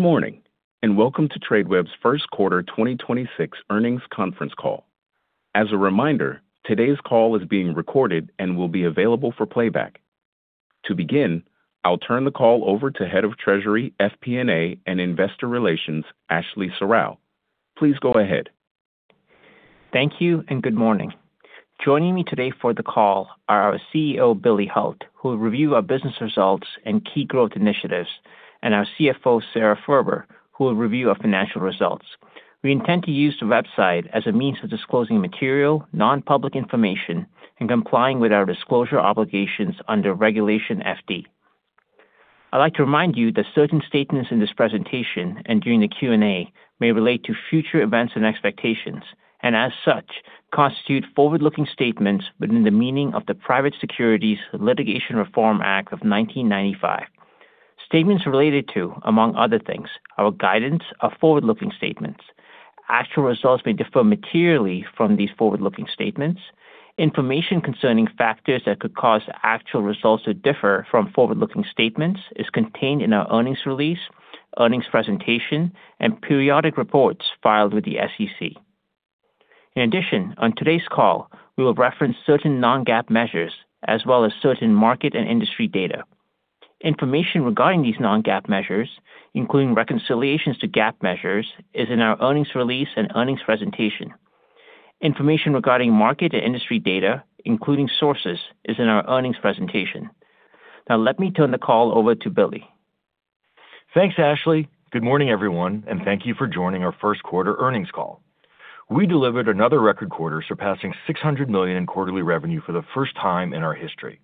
Welcome to Tradeweb's first quarter 2026 earnings conference call. As a reminder, today's call is being recorded and will be available for playback. To begin, I'll turn the call over to Head of Treasury, FP&A, and Investor Relations, Ashley Serrao. Please go ahead. Thank you and good morning. Joining me today for the call are our CEO, Billy Hult, who will review our business results and key growth initiatives, and our CFO, Sara Furber, who will review our financial results. We intend to use the website as a means of disclosing material, non-public information and complying with our disclosure obligations under Regulation FD. I'd like to remind you that certain statements in this presentation and during the Q&A may relate to future events and expectations, and as such, constitute forward-looking statements within the meaning of the Private Securities Litigation Reform Act of 1995. Statements related to, among other things, our guidance are forward-looking statements. Actual results may differ materially from these forward-looking statements. Information concerning factors that could cause actual results to differ from forward-looking statements is contained in our earnings release, earnings presentation, and periodic reports filed with the SEC. In addition, on today's call, we will reference certain non-GAAP measures as well as certain market and industry data. Information regarding these non-GAAP measures, including reconciliations to GAAP measures, is in our earnings release and earnings presentation. Information regarding market and industry data, including sources, is in our earnings presentation. Now, let me turn the call over to Billy. Thanks, Ashley. Good morning, everyone, and thank you for joining our first quarter earnings call. We delivered another record quarter, surpassing $600 million in quarterly revenue for the first time in our history.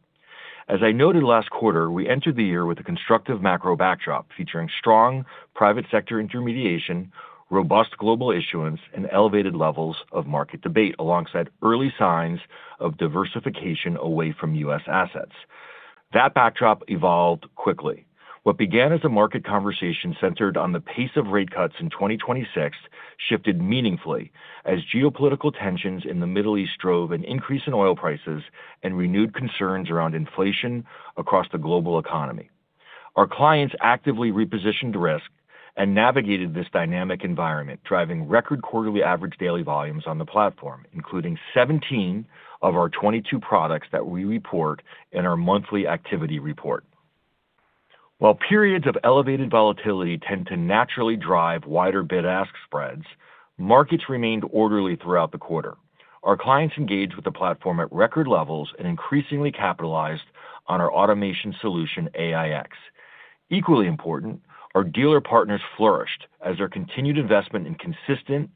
As I noted last quarter, we entered the year with a constructive macro backdrop featuring strong private sector intermediation, robust global issuance, and elevated levels of market debate alongside early signs of diversification away from U.S. assets. That backdrop evolved quickly. What began as a market conversation centered on the pace of rate cuts in 2026 shifted meaningfully as geopolitical tensions in the Middle East drove an increase in oil prices and renewed concerns around inflation across the global economy. Our clients actively repositioned risk and navigated this dynamic environment, driving record quarterly average daily volumes on the platform, including 17 of our 22 products that we report in our monthly activity report. While periods of elevated volatility tend to naturally drive wider bid-ask spreads, markets remained orderly throughout the quarter. Our clients engaged with the platform at record levels and increasingly capitalized on our automation solution, AiEX. Equally important, our dealer partners flourished as our continued investment in consistent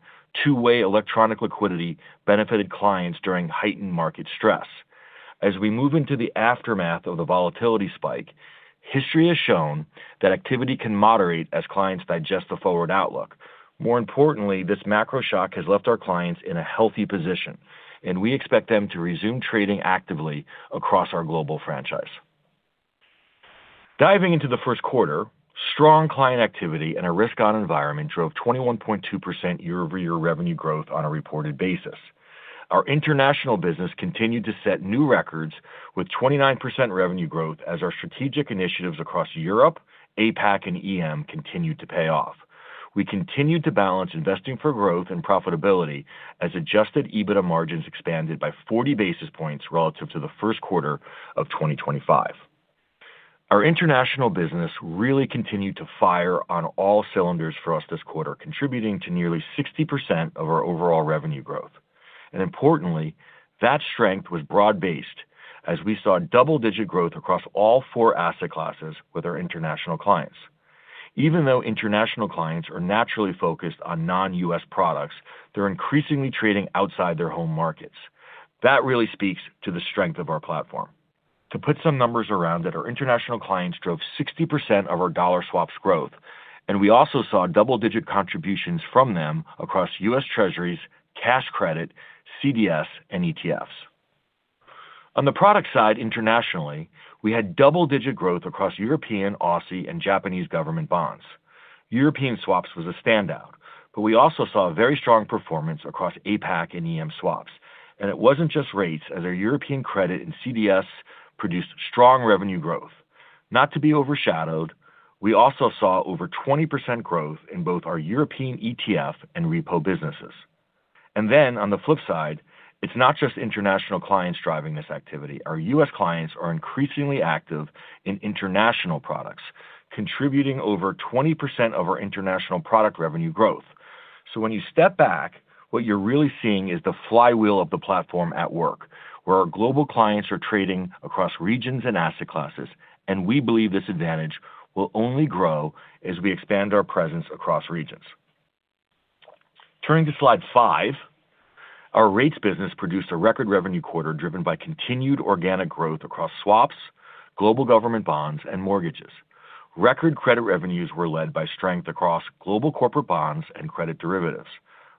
two-way electronic liquidity benefited clients during heightened market stress. We move into the aftermath of the volatility spike, history has shown that activity can moderate as clients digest the forward outlook. More importantly, this macro shock has left our clients in a healthy position, and we expect them to resume trading actively across our global franchise. Diving into the first quarter, strong client activity and a risk-on environment drove 21.2% year-over-year revenue growth on a reported basis. Our international business continued to set new records with 29% revenue growth as our strategic initiatives across Europe, APAC, and EM continued to pay off. We continued to balance investing for growth and profitability as Adjusted EBITDA margins expanded by 40 basis points relative to the first quarter of 2025. Our international business really continued to fire on all cylinders for us this quarter, contributing to nearly 60% of our overall revenue growth. Importantly, that strength was broad-based as we saw double-digit growth across all four asset classes with our international clients. Even though international clients are naturally focused on non-U.S. products, they're increasingly trading outside their home markets. That really speaks to the strength of our platform. To put some numbers around it, our international clients drove 60% of our dollar swaps growth, and we also saw double-digit contributions from them across U.S. Treasuries, cash credit, CDS, and ETFs. On the product side, internationally, we had double-digit growth across European, Aussie, and Japanese government bonds. European swaps was a standout, but we also saw a very strong performance across APAC and EM swaps. It wasn't just rates, as our European credit and CDS produced strong revenue growth. Not to be overshadowed, we also saw over 20% growth in both our European ETF and repo businesses. On the flip side, it's not just international clients driving this activity. Our U.S. clients are increasingly active in international products, contributing over 20% of our international product revenue growth. When you step back, what you're really seeing is the flywheel of the platform at work, where our global clients are trading across regions and asset classes, and we believe this advantage will only grow as we expand our presence across regions. Turning to slide 5, our rates business produced a record revenue quarter driven by continued organic growth across swaps, global government bonds, and mortgages. Record credit revenues were led by strength across global corporate bonds and credit derivatives.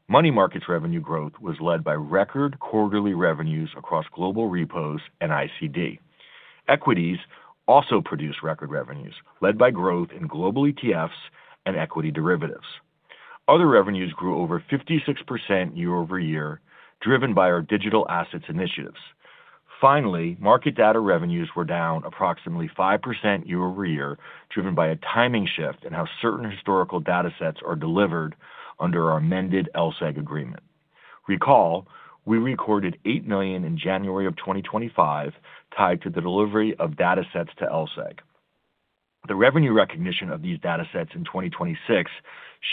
Money markets revenue growth was led by record quarterly revenues across global repos and ICD. Equities also produced record revenues led by growth in global ETFs and equity derivatives. Other revenues grew over 56% year-over-year, driven by our digital assets initiatives. Finally, market data revenues were down approximately 5% year-over-year, driven by a timing shift in how certain historical data sets are delivered under our amended LSEG agreement. Recall, we recorded $8 million in January of 2025 tied to the delivery of data sets to LSEG. The revenue recognition of these data sets in 2026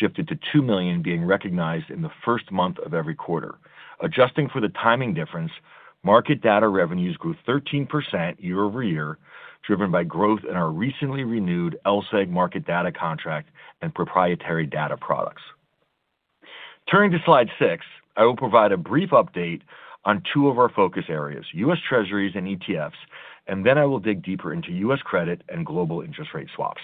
shifted to $2 million being recognized in the first month of every quarter. Adjusting for the timing difference, market data revenues grew 13% year-over-year, driven by growth in our recently renewed LSEG market data contract and proprietary data products. Turning to slide 6, I will provide a brief update on two of our focus areas, U.S. Treasuries and ETFs, and then I will dig deeper into U.S. credit and global interest rate swaps.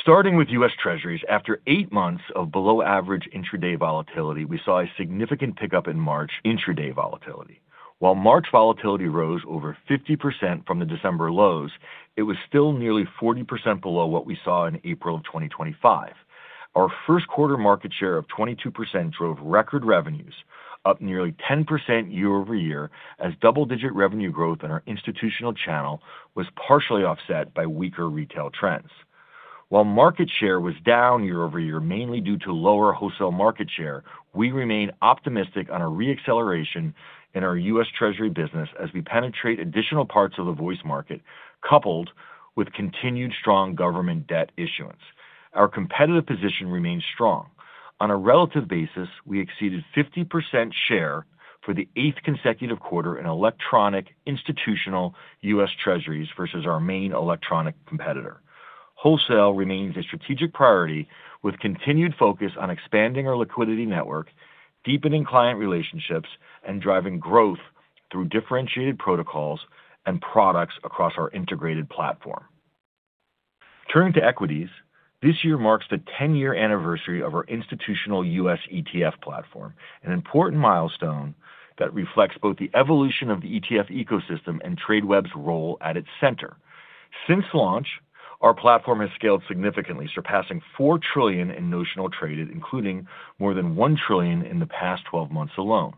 Starting with U.S. Treasuries, after 8 months of below-average intraday volatility, we saw a significant pickup in March intraday volatility. While March volatility rose over 50% from the December lows, it was still nearly 40% below what we saw in April of 2025. Our first quarter market share of 22% drove record revenues, up nearly 10% year-over-year, as double-digit revenue growth in our institutional channel was partially offset by weaker retail trends. Market share was down year-over-year, mainly due to lower wholesale market share, we remain optimistic on a re-acceleration in our U.S. Treasury business as we penetrate additional parts of the voice market, coupled with continued strong government debt issuance. Our competitive position remains strong. On a relative basis, we exceeded 50% share for the eighth consecutive quarter in electronic institutional U.S. Treasuries versus our main electronic competitor. Wholesale remains a strategic priority with continued focus on expanding our liquidity network, deepening client relationships, and driving growth through differentiated protocols and products across our integrated platform. Turning to equities, this year marks the 10-year anniversary of our institutional U.S. ETF platform, an important milestone that reflects both the evolution of the ETF ecosystem and Tradeweb's role at its center. Since launch, our platform has scaled significantly, surpassing $4 trillion in notional traded, including more than $1 trillion in the past 12 months alone.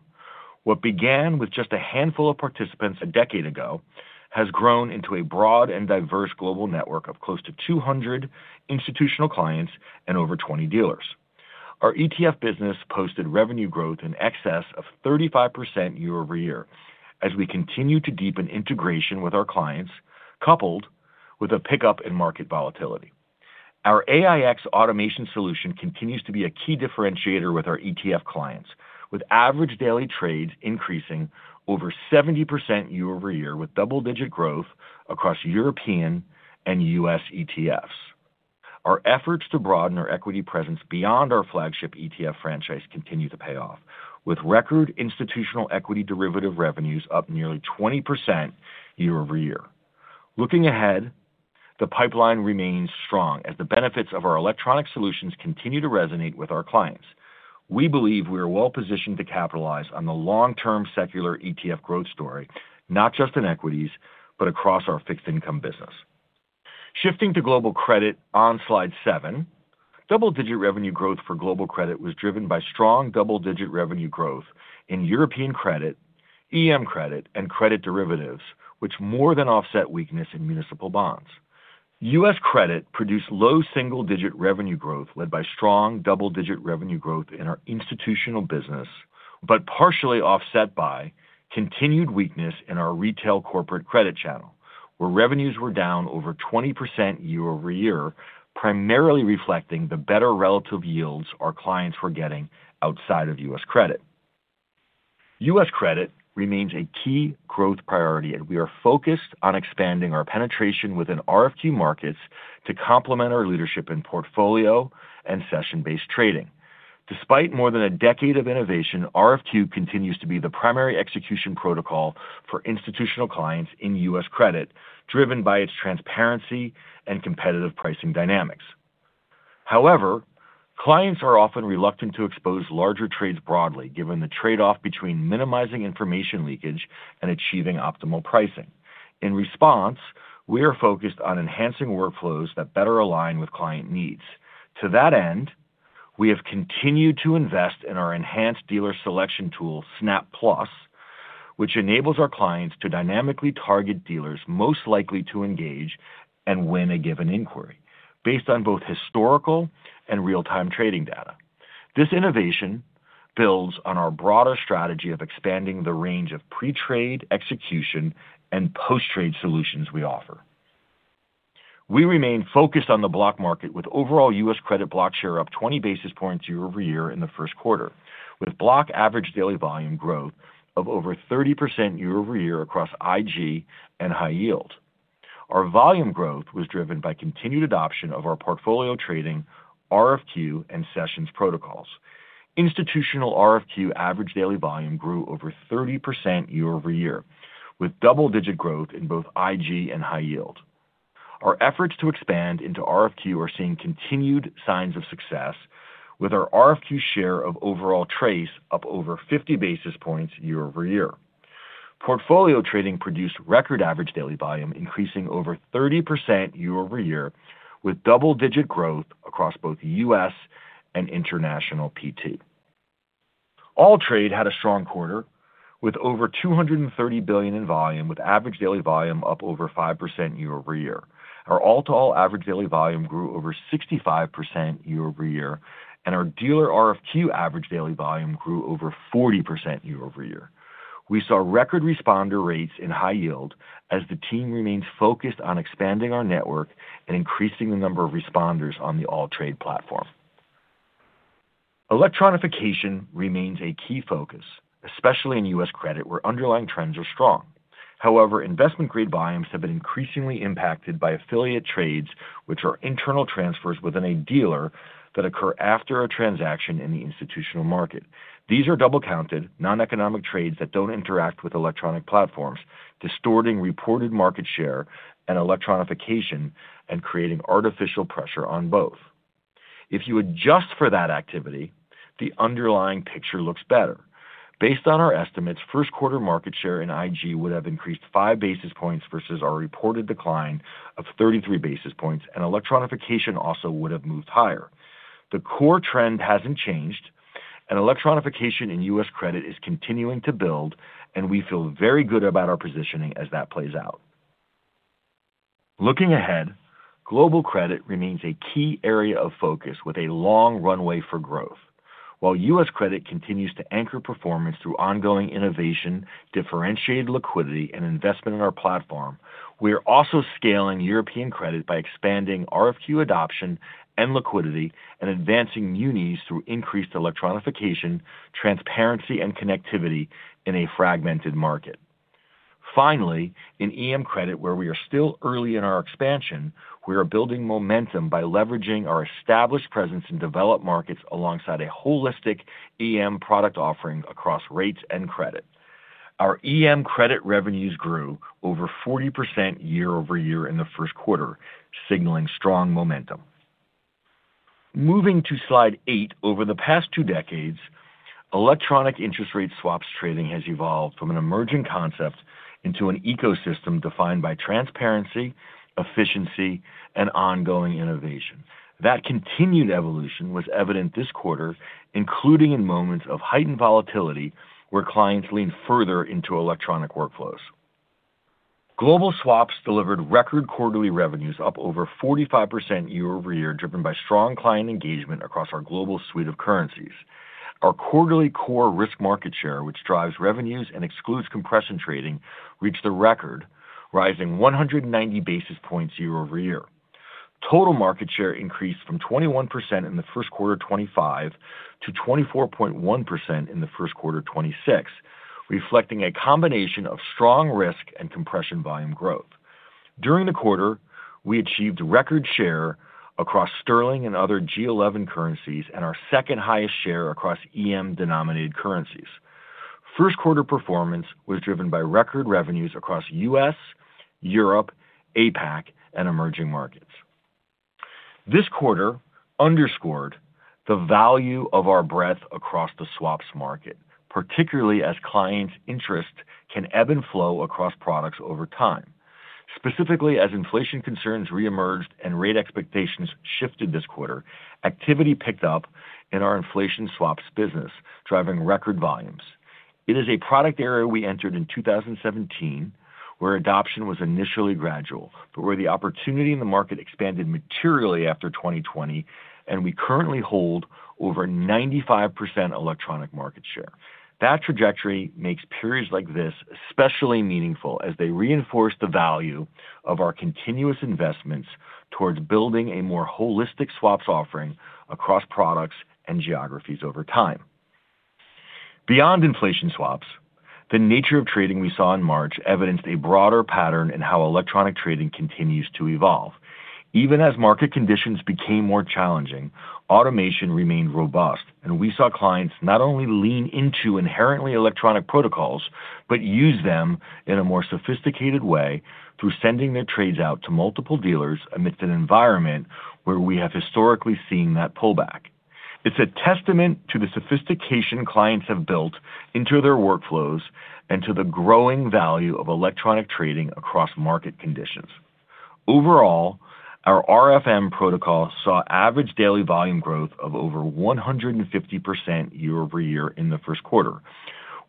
What began with just a handful of participants a decade ago has grown into a broad and diverse global network of close to 200 institutional clients and over 20 dealers. Our ETF business posted revenue growth in excess of 35% year-over-year as we continue to deepen integration with our clients, coupled with a pickup in market volatility. Our AiEX automation solution continues to be a key differentiator with our ETF clients, with average daily trades increasing over 70% year-over-year, with double-digit growth across European and U.S. ETFs. Our efforts to broaden our equity presence beyond our flagship ETF franchise continue to pay off, with record institutional equity derivatives revenues up nearly 20% year-over-year. Looking ahead, the pipeline remains strong as the benefits of our electronic solutions continue to resonate with our clients. We believe we are well-positioned to capitalize on the long-term secular ETF growth story, not just in equities, but across our fixed income business. Shifting to global credit on slide 7, double-digit revenue growth for global credit was driven by strong double-digit revenue growth in European credit, EM credit, and credit derivatives, which more than offset weakness in municipal bonds. U.S. credit produced low single-digit revenue growth led by strong double-digit revenue growth in our institutional business, but partially offset by continued weakness in our retail corporate credit channel, where revenues were down over 20% year-over-year, primarily reflecting the better relative yields our clients were getting outside of U.S. credit. U.S. credit remains a key growth priority, and we are focused on expanding our penetration within RFQ markets to complement our leadership in portfolio and session-based trading. Despite more than one decade of innovation, RFQ continues to be the primary execution protocol for institutional clients in U.S. credit, driven by its transparency and competitive pricing dynamics. However, clients are often reluctant to expose larger trades broadly, given the trade-off between minimizing information leakage and achieving optimal pricing. In response, we are focused on enhancing workflows that better align with client needs. To that end, we have continued to invest in our enhanced dealer selection tool, SNAP+, which enables our clients to dynamically target dealers most likely to engage and win a given inquiry based on both historical and real-time trading data. This innovation builds on our broader strategy of expanding the range of pre-trade execution and post-trade solutions we offer. We remain focused on the block market, with overall U.S. credit block share up 20 basis points year-over-year in the first quarter, with block average daily volume growth of over 30% year-over-year across IG and high yield. Our volume growth was driven by continued adoption of our portfolio trading, RFQ, and sessions protocols. Institutional RFQ average daily volume grew over 30% year-over-year, with double-digit growth in both IG and high yield. Our efforts to expand into RFQ are seeing continued signs of success, with our RFQ share of overall TRACE up over 50 basis points year-over-year. Portfolio trading produced record average daily volume increasing over 30% year-over-year with double-digit growth across both U.S. and international PT. AllTrade had a strong quarter with over $230 billion in volume, with average daily volume up over 5% year-over-year. Our all-to-all average daily volume grew over 65% year-over-year. Our dealer RFQ average daily volume grew over 40% year-over-year. We saw record responder rates in high yield as the team remains focused on expanding our network and increasing the number of responders on the AllTrade platform. Electronification remains a key focus, especially in U.S. credit, where underlying trends are strong. Investment-grade volumes have been increasingly impacted by affiliate trades, which are internal transfers within a dealer that occur after a transaction in the institutional market. These are double-counted, non-economic trades that don't interact with electronic platforms, distorting reported market share and electronification and creating artificial pressure on both. If you adjust for that activity, the underlying picture looks better. Based on our estimates, first quarter market share in IG would have increased 5 basis points versus our reported decline of 33 basis points, and electronification also would have moved higher. The core trend hasn't changed, electronification in U.S. credit is continuing to build, and we feel very good about our positioning as that plays out. Looking ahead, global credit remains a key area of focus with a long runway for growth. While U.S. credit continues to anchor performance through ongoing innovation, differentiated liquidity, and investment in our platform, we are also scaling European credit by expanding RFQ adoption and liquidity and advancing munis through increased electronification, transparency, and connectivity in a fragmented market. In EM credit, where we are still early in our expansion, we are building momentum by leveraging our established presence in developed markets alongside a holistic EM product offering across rates and credit. Our EM credit revenues grew over 40% year-over-year in the first quarter, signaling strong momentum. Moving to slide 8, over the past two decades, electronic interest rate swaps trading has evolved from an emerging concept into an ecosystem defined by transparency, efficiency, and ongoing innovation. That continued evolution was evident this quarter, including in moments of heightened volatility where clients leaned further into electronic workflows. Global swaps delivered record quarterly revenues up over 45% year-over-year, driven by strong client engagement across our global suite of currencies. Our quarterly core risk market share, which drives revenues and excludes compression trading, reached a record rising 190 basis points year-over-year. Total market share increased from 21% in the first quarter 2025 to 24.1% in the first quarter 2026, reflecting a combination of strong risk and compression volume growth. During the quarter, we achieved record share across sterling and other G11 currencies and our second-highest share across EM-denominated currencies. First quarter performance was driven by record revenues across U.S., Europe, APAC, and emerging markets. This quarter underscored the value of our breadth across the swaps market, particularly as clients' interest can ebb and flow across products over time. Specifically, as inflation concerns re-emerged and rate expectations shifted this quarter, activity picked up in our inflation swaps business, driving record volumes. It is a product area we entered in 2017, where adoption was initially gradual, but where the opportunity in the market expanded materially after 2020, and we currently hold over 95% electronic market share. That trajectory makes periods like this especially meaningful as they reinforce the value of our continuous investments towards building a more holistic swaps offering across products and geographies over time. Beyond inflation swaps, the nature of trading we saw in March evidenced a broader pattern in how electronic trading continues to evolve. Even as market conditions became more challenging, automation remained robust. We saw clients not only lean into inherently electronic protocols, but use them in a more sophisticated way through sending their trades out to multiple dealers amidst an environment where we have historically seen that pullback. It's a testament to the sophistication clients have built into their workflows and to the growing value of electronic trading across market conditions. Overall, our RFM protocol saw average daily volume growth of over 150% year-over-year in the first quarter,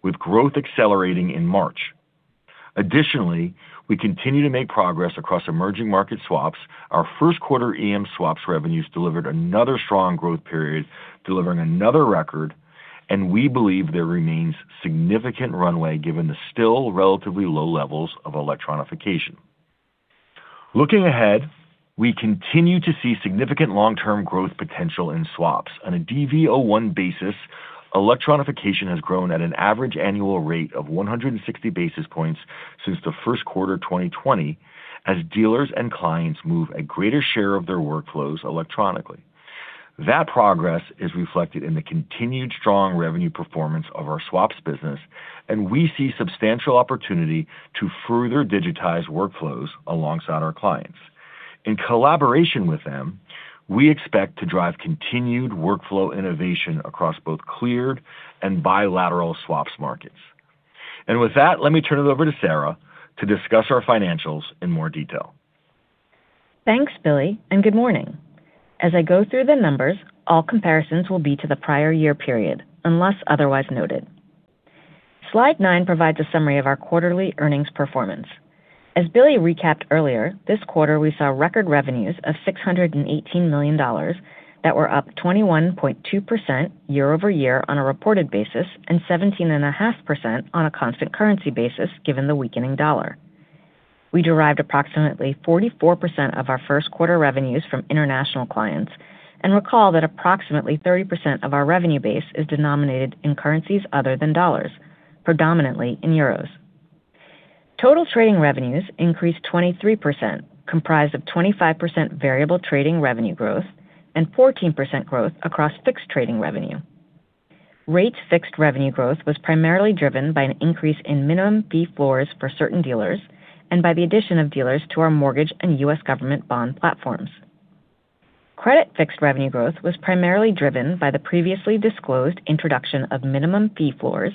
with growth accelerating in March. We continue to make progress across emerging market swaps. Our first quarter EM swaps revenues delivered another strong growth period, delivering another record. We believe there remains significant runway given the still relatively low levels of electronification. Looking ahead, we continue to see significant long-term growth potential in swaps. On a DV01 basis, electronification has grown at an average annual rate of 160 basis points since the first quarter 2020 as dealers and clients move a greater share of their workflows electronically. That progress is reflected in the continued strong revenue performance of our swaps business, and we see substantial opportunity to further digitize workflows alongside our clients. In collaboration with them, we expect to drive continued workflow innovation across both cleared and bilateral swaps markets. With that, let me turn it over to Sara to discuss our financials in more detail. Thanks, Billy, and good morning. As I go through the numbers, all comparisons will be to the prior year period, unless otherwise noted. Slide 9 provides a summary of our quarterly earnings performance. As Billy recapped earlier, this quarter, we saw record revenues of $618 million that were up 21.2% year-over-year on a reported basis, and 17.5% on a constant currency basis, given the weakening dollar. We derived approximately 44% of our first quarter revenues from international clients and recall that approximately 30% of our revenue base is denominated in currencies other than dollars, predominantly in euros. Total trading revenues increased 23%, comprised of 25% variable trading revenue growth and 14% growth across fixed trading revenue. Rate fixed revenue growth was primarily driven by an increase in minimum fee floors for certain dealers and by the addition of dealers to our mortgage and U.S. government bond platforms. Credit fixed revenue growth was primarily driven by the previously disclosed introduction of minimum fee floors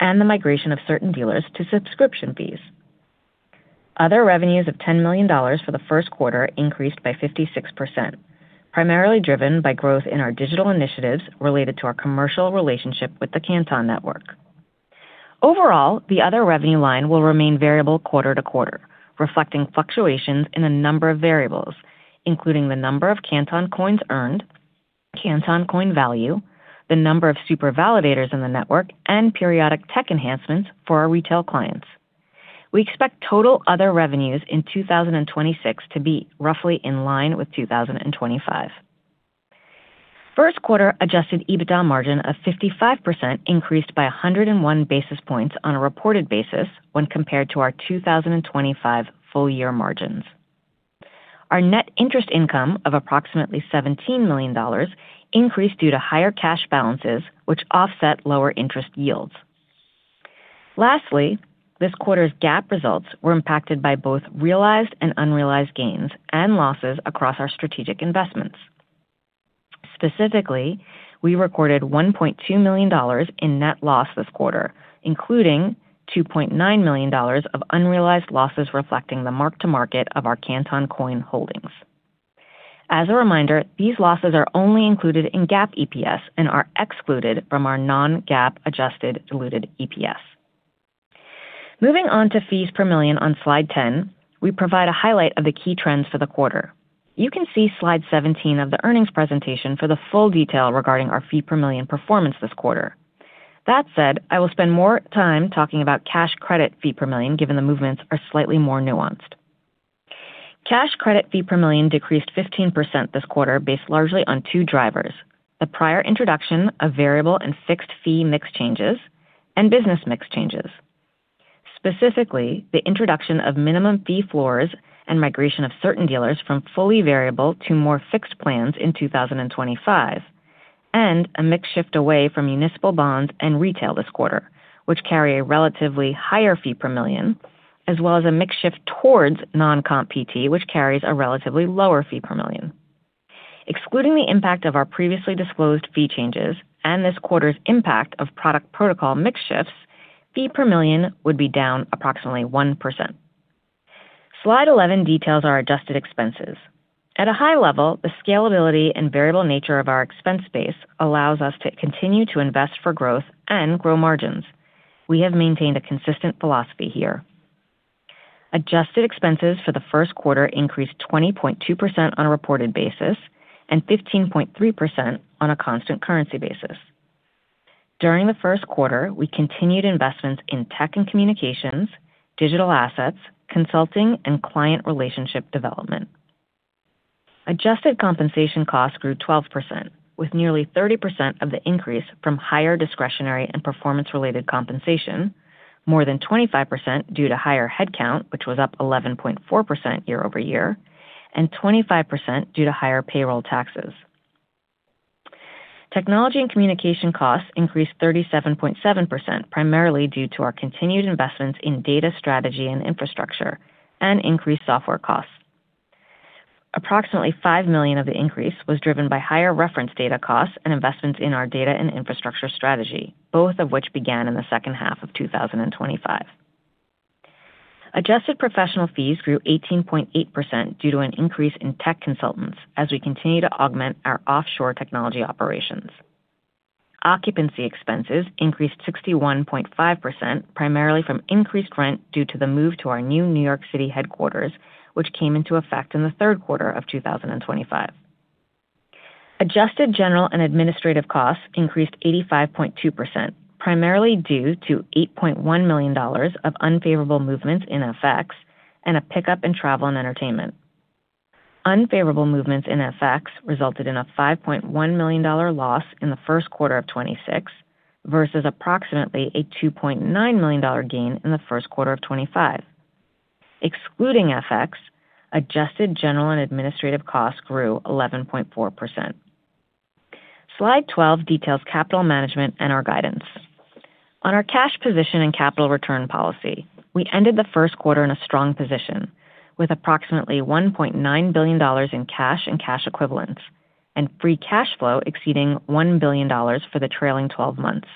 and the migration of certain dealers to subscription fees. Other revenues of $10 million for the first quarter increased by 56%, primarily driven by growth in our digital initiatives related to our commercial relationship with the Canton Network. Overall, the other revenue line will remain variable quarter to quarter, reflecting fluctuations in a number of variables, including the number of Canton Coins earned, Canton Coin value, the number of super validators in the network, and periodic tech enhancements for our retail clients. We expect total other revenues in 2026 to be roughly in line with 2025. First quarter Adjusted EBITDA margin of 55% increased by 101 basis points on a reported basis when compared to our 2025 full year margins. Our net interest income of approximately $17 million increased due to higher cash balances, which offset lower interest yields. Lastly, this quarter's GAAP results were impacted by both realized and unrealized gains and losses across our strategic investments. Specifically, we recorded $1.2 million in net loss this quarter, including $2.9 million of unrealized losses reflecting the mark-to-market of our Canton Coins holdings. As a reminder, these losses are only included in GAAP EPS and are excluded from our non-GAAP adjusted diluted EPS. Moving on to fees per million on slide 10, we provide a highlight of the key trends for the quarter. You can see slide 17 of the earnings presentation for the full detail regarding our fee per million performance this quarter. That said, I will spend more time talking about cash credit fee per million, given the movements are slightly more nuanced. Cash credit fee per million decreased 15% this quarter based largely on 2 drivers, the prior introduction of variable and fixed fee mix changes and business mix changes. Specifically, the introduction of minimum fee floors and migration of certain dealers from fully variable to more fixed plans in 2025, a mix shift away from municipal bonds and retail this quarter, which carry a relatively higher fee per million, as well as a mix shift towards non-comp PT, which carries a relatively lower fee per million. Excluding the impact of our previously disclosed fee changes and this quarter's impact of product protocol mix shifts, fee per million would be down approximately 1%. Slide 11 details our adjusted expenses. At a high level, the scalability and variable nature of our expense base allows us to continue to invest for growth and grow margins. We have maintained a consistent philosophy here. Adjusted expenses for the first quarter increased 20.2% on a reported basis and 15.3% on a constant currency basis. During the first quarter, we continued investments in tech and communications, digital assets, consulting, and client relationship development. Adjusted compensation costs grew 12%, with nearly 30% of the increase from higher discretionary and performance-related compensation, more than 25% due to higher headcount, which was up 11.4% year-over-year, and 25% due to higher payroll taxes. Technology and communication costs increased 37.7%, primarily due to our continued investments in data strategy and infrastructure and increased software costs. Approximately $5 million of the increase was driven by higher reference data costs and investments in our data and infrastructure strategy, both of which began in the second half of 2025. Adjusted professional fees grew 18.8% due to an increase in tech consultants as we continue to augment our offshore technology operations. Occupancy expenses increased 61.5%, primarily from increased rent due to the move to our new New York City headquarters, which came into effect in the third quarter of 2025. Adjusted general and administrative costs increased 85.2%, primarily due to $8.1 million of unfavorable movements in FX and a pickup in travel and entertainment. Unfavorable movements in FX resulted in a $5.1 million loss in the first quarter of 2026 versus approximately a $2.9 million gain in the first quarter of 2025. Excluding FX, adjusted general and administrative costs grew 11.4%. Slide 12 details capital management and our guidance. On our cash position and capital return policy, we ended the first quarter in a strong position with approximately $1.9 billion in cash and cash equivalents, and free cash flow exceeding $1 billion for the trailing 12 months,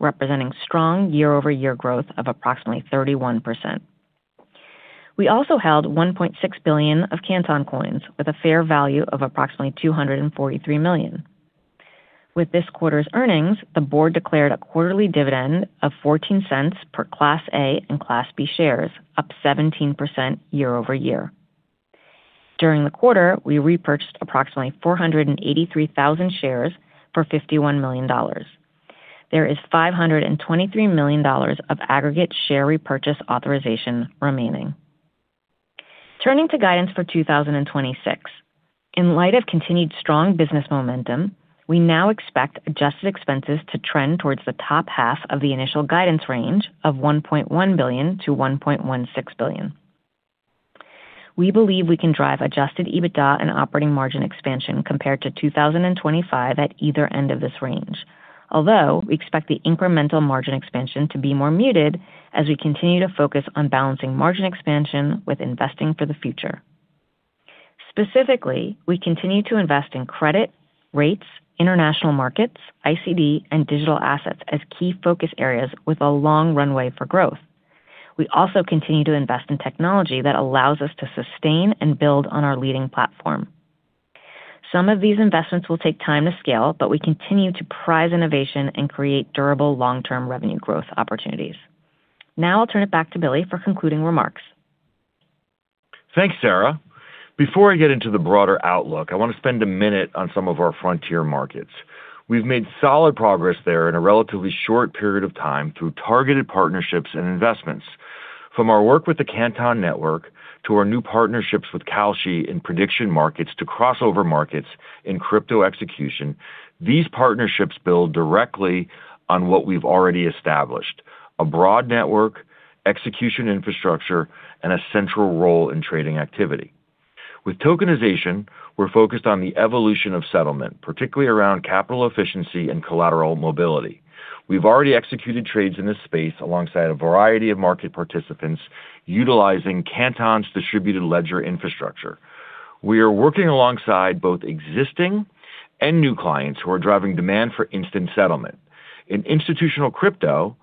representing strong year-over-year growth of approximately 31%. We also held 1.6 billion Canton Coins with a fair value of approximately $243 million. With this quarter's earnings, the board declared a quarterly dividend of $0.14 per Class A and Class B shares, up 17% year-over-year. During the quarter, we repurchased approximately 483,000 shares for $51 million. There is $523 million of aggregate share repurchase authorization remaining. Turning to guidance for 2026. In light of continued strong business momentum, we now expect adjusted expenses to trend towards the top half of the initial guidance range of $1.1 billion-$1.16 billion. We believe we can drive Adjusted EBITDA and operating margin expansion compared to 2025 at either end of this range. Although we expect the incremental margin expansion to be more muted as we continue to focus on balancing margin expansion with investing for the future. Specifically, we continue to invest in credit, rates, international markets, ICD, and digital assets as key focus areas with a long runway for growth. We also continue to invest in technology that allows us to sustain and build on our leading platform. Some of these investments will take time to scale, but we continue to prize innovation and create durable long-term revenue growth opportunities. I'll turn it back to Billy for concluding remarks. Thanks, Sara. Before I get into the broader outlook, I want to spend a minute on some of our frontier markets. We've made solid progress there in a relatively short period of time through targeted partnerships and investments. From our work with the Canton Network, to our new partnerships with Kalshi in prediction markets, to Crossover Markets in crypto execution, these partnerships build directly on what we've already established, a broad network, execution infrastructure, and a central role in trading activity. With tokenization, we're focused on the evolution of settlement, particularly around capital efficiency and collateral mobility. We've already executed trades in this space alongside a variety of market participants utilizing Canton's distributed ledger infrastructure. We are working alongside both existing and new clients who are driving demand for instant settlement. In institutional crypto,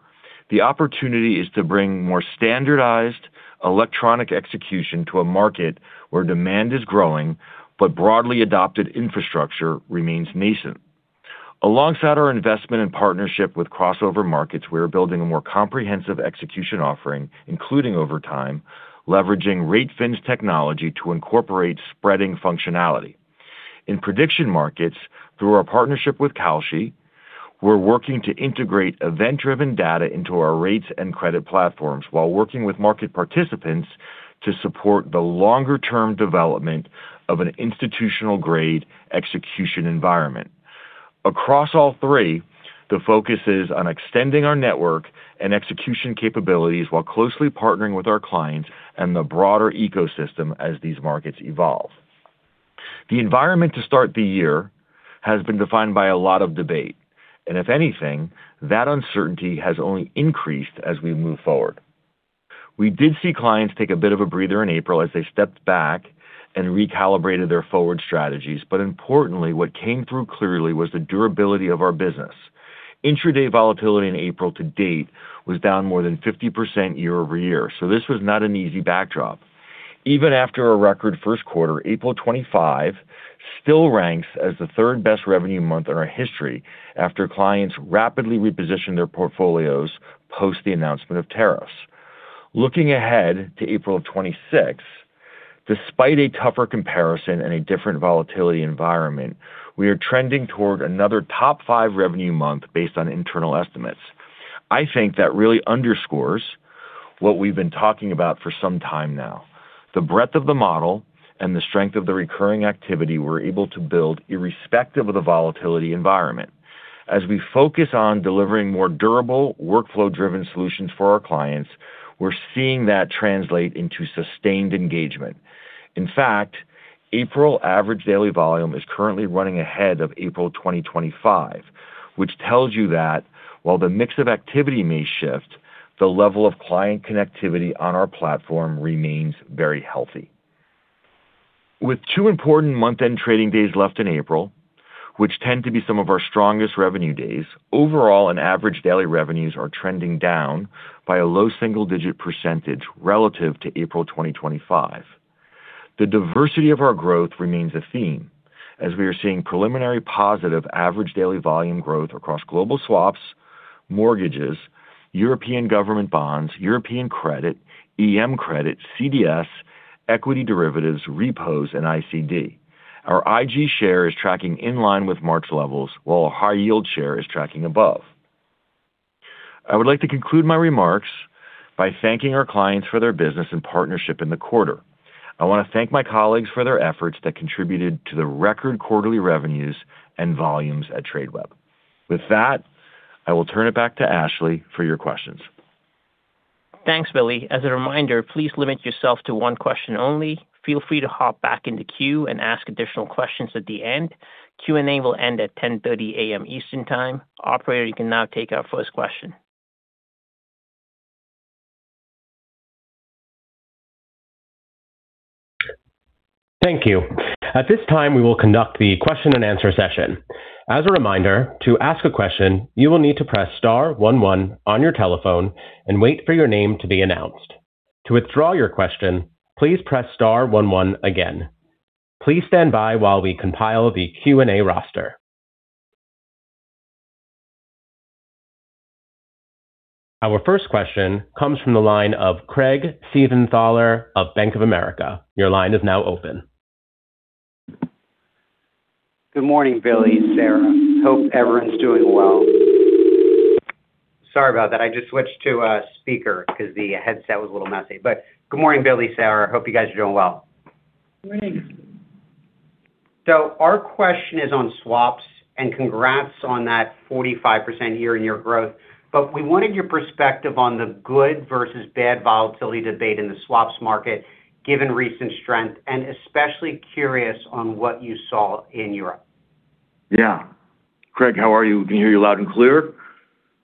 the opportunity is to bring more standardized electronic execution to a market where demand is growing, but broadly adopted infrastructure remains nascent. Alongside our investment and partnership with Crossover Markets, we are building a more comprehensive execution offering, including over time, leveraging Ratefin's technology to incorporate spreading functionality. In prediction markets, through our partnership with Kalshi, we're working to integrate event-driven data into our rates and credit platforms while working with market participants to support the longer-term development of an institutional-grade execution environment. Across all three, the focus is on extending our network and execution capabilities while closely partnering with our clients and the broader ecosystem as these markets evolve. The environment to start the year has been defined by a lot of debate, and if anything, that uncertainty has only increased as we move forward. We did see clients take a bit of a breather in April as they stepped back and recalibrated their forward strategies, but importantly, what came through clearly was the durability of our business. Intraday volatility in April to date was down more than 50% year-over-year. This was not an easy backdrop. Even after a record 1st quarter, April 25 still ranks as the 3rd-best revenue month in our history after clients rapidly repositioned their portfolios post the announcement of tariffs. Looking ahead to April of 2026, despite a tougher comparison and a different volatility environment, we are trending toward another top 5 revenue month based on internal estimates. I think that really underscores what we've been talking about for some time now. The breadth of the model and the strength of the recurring activity we're able to build irrespective of the volatility environment. As we focus on delivering more durable, workflow-driven solutions for our clients, we're seeing that translate into sustained engagement. In fact, April average daily volume is currently running ahead of April 2025, which tells you that while the mix of activity may shift, the level of client connectivity on our platform remains very healthy. With two important month-end trading days left in April, which tend to be some of our strongest revenue days, overall and average daily revenues are trending down by a low single-digit percentage relative to April 2025. The diversity of our growth remains a theme as we are seeing preliminary positive average daily volume growth across global swaps, mortgages, European government bonds, European credit, EM credit, CDS, equity derivatives, repos, and ICD. Our IG share is tracking in line with March levels, while our high-yield share is tracking above. I would like to conclude my remarks by thanking our clients for their business and partnership in the quarter. I want to thank my colleagues for their efforts that contributed to the record quarterly revenues and volumes at Tradeweb. With that, I will turn it back to Ashley for your questions. Thanks, Billy. As a reminder, please limit yourself to one question only. Feel free to hop back in the queue and ask additional questions at the end. Q&A will end at 10:30 A.M. Eastern time. Operator, you can now take our first question. Thank you. At this time, we will conduct the question and answer session. As a reminder, to ask a question, you will need to press star 11 on your telephone and wait for your name to be announced. To withdraw your question, please press star 11 again. Please stand by while we compile the Q&A roster. Our first question comes from the line of Craig Siegenthaler of Bank of America. Your line is now open. Good morning, Billy, Sara. Hope everyone's doing well. Sorry about that. I just switched to speaker because the headset was a little messy. Good morning, Billy, Sara. Hope you guys are doing well. Morning. Our question is on swaps, and congrats on that 45% year in your growth. We wanted your perspective on the good versus bad volatility debate in the swaps market, given recent strength, and especially curious on what you saw in Europe. Yeah. Craig, how are you? Can you hear me loud and clear?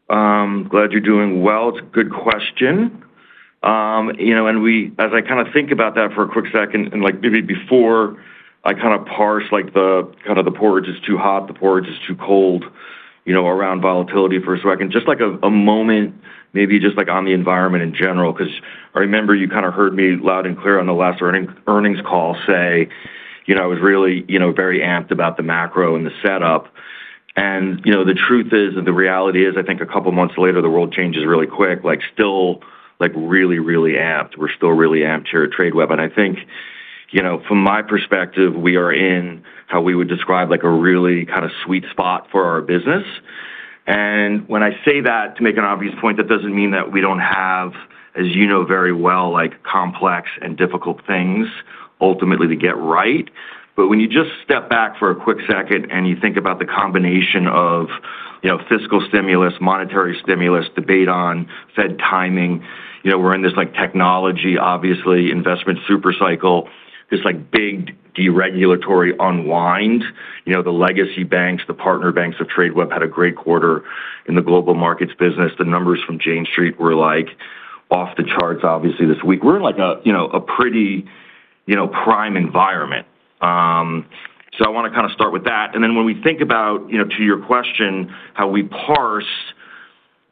Glad you're doing well. It's a good question. You know, as I kinda think about that for a quick second, and like maybe before I kinda parse like the kinda the porridge is too hot, the porridge is too cold, you know, around volatility for a second, just like a moment maybe just like on the environment in general, 'cause I remember you kinda heard me loud and clear on the last earnings call say, you know, I was really, you know, very amped about the macro and the setup. You know, the truth is, and the reality is, I think a couple of months later, the world changes really quick, like still, like really, really amped. We're still really amped here at Tradeweb. I think, you know, from my perspective, we are in how we would describe like a really sweet spot for our business. When I say that, to make an obvious point, that doesn't mean that we don't have, as you know very well, like complex and difficult things ultimately to get right. When you just step back for a quick second and you think about the combination of, you know, fiscal stimulus, monetary stimulus, debate on Fed timing, you know, we're in this like technology, obviously, investment super cycle, this like big deregulatory unwind. You know, the legacy banks, the partner banks of Tradeweb had a great quarter in the global markets business. The numbers from Jane Street were like off the charts, obviously, this week. We're in like a, you know, a pretty, you know, prime environment. I wanna start with that. When we think about, you know, to your question, how we parse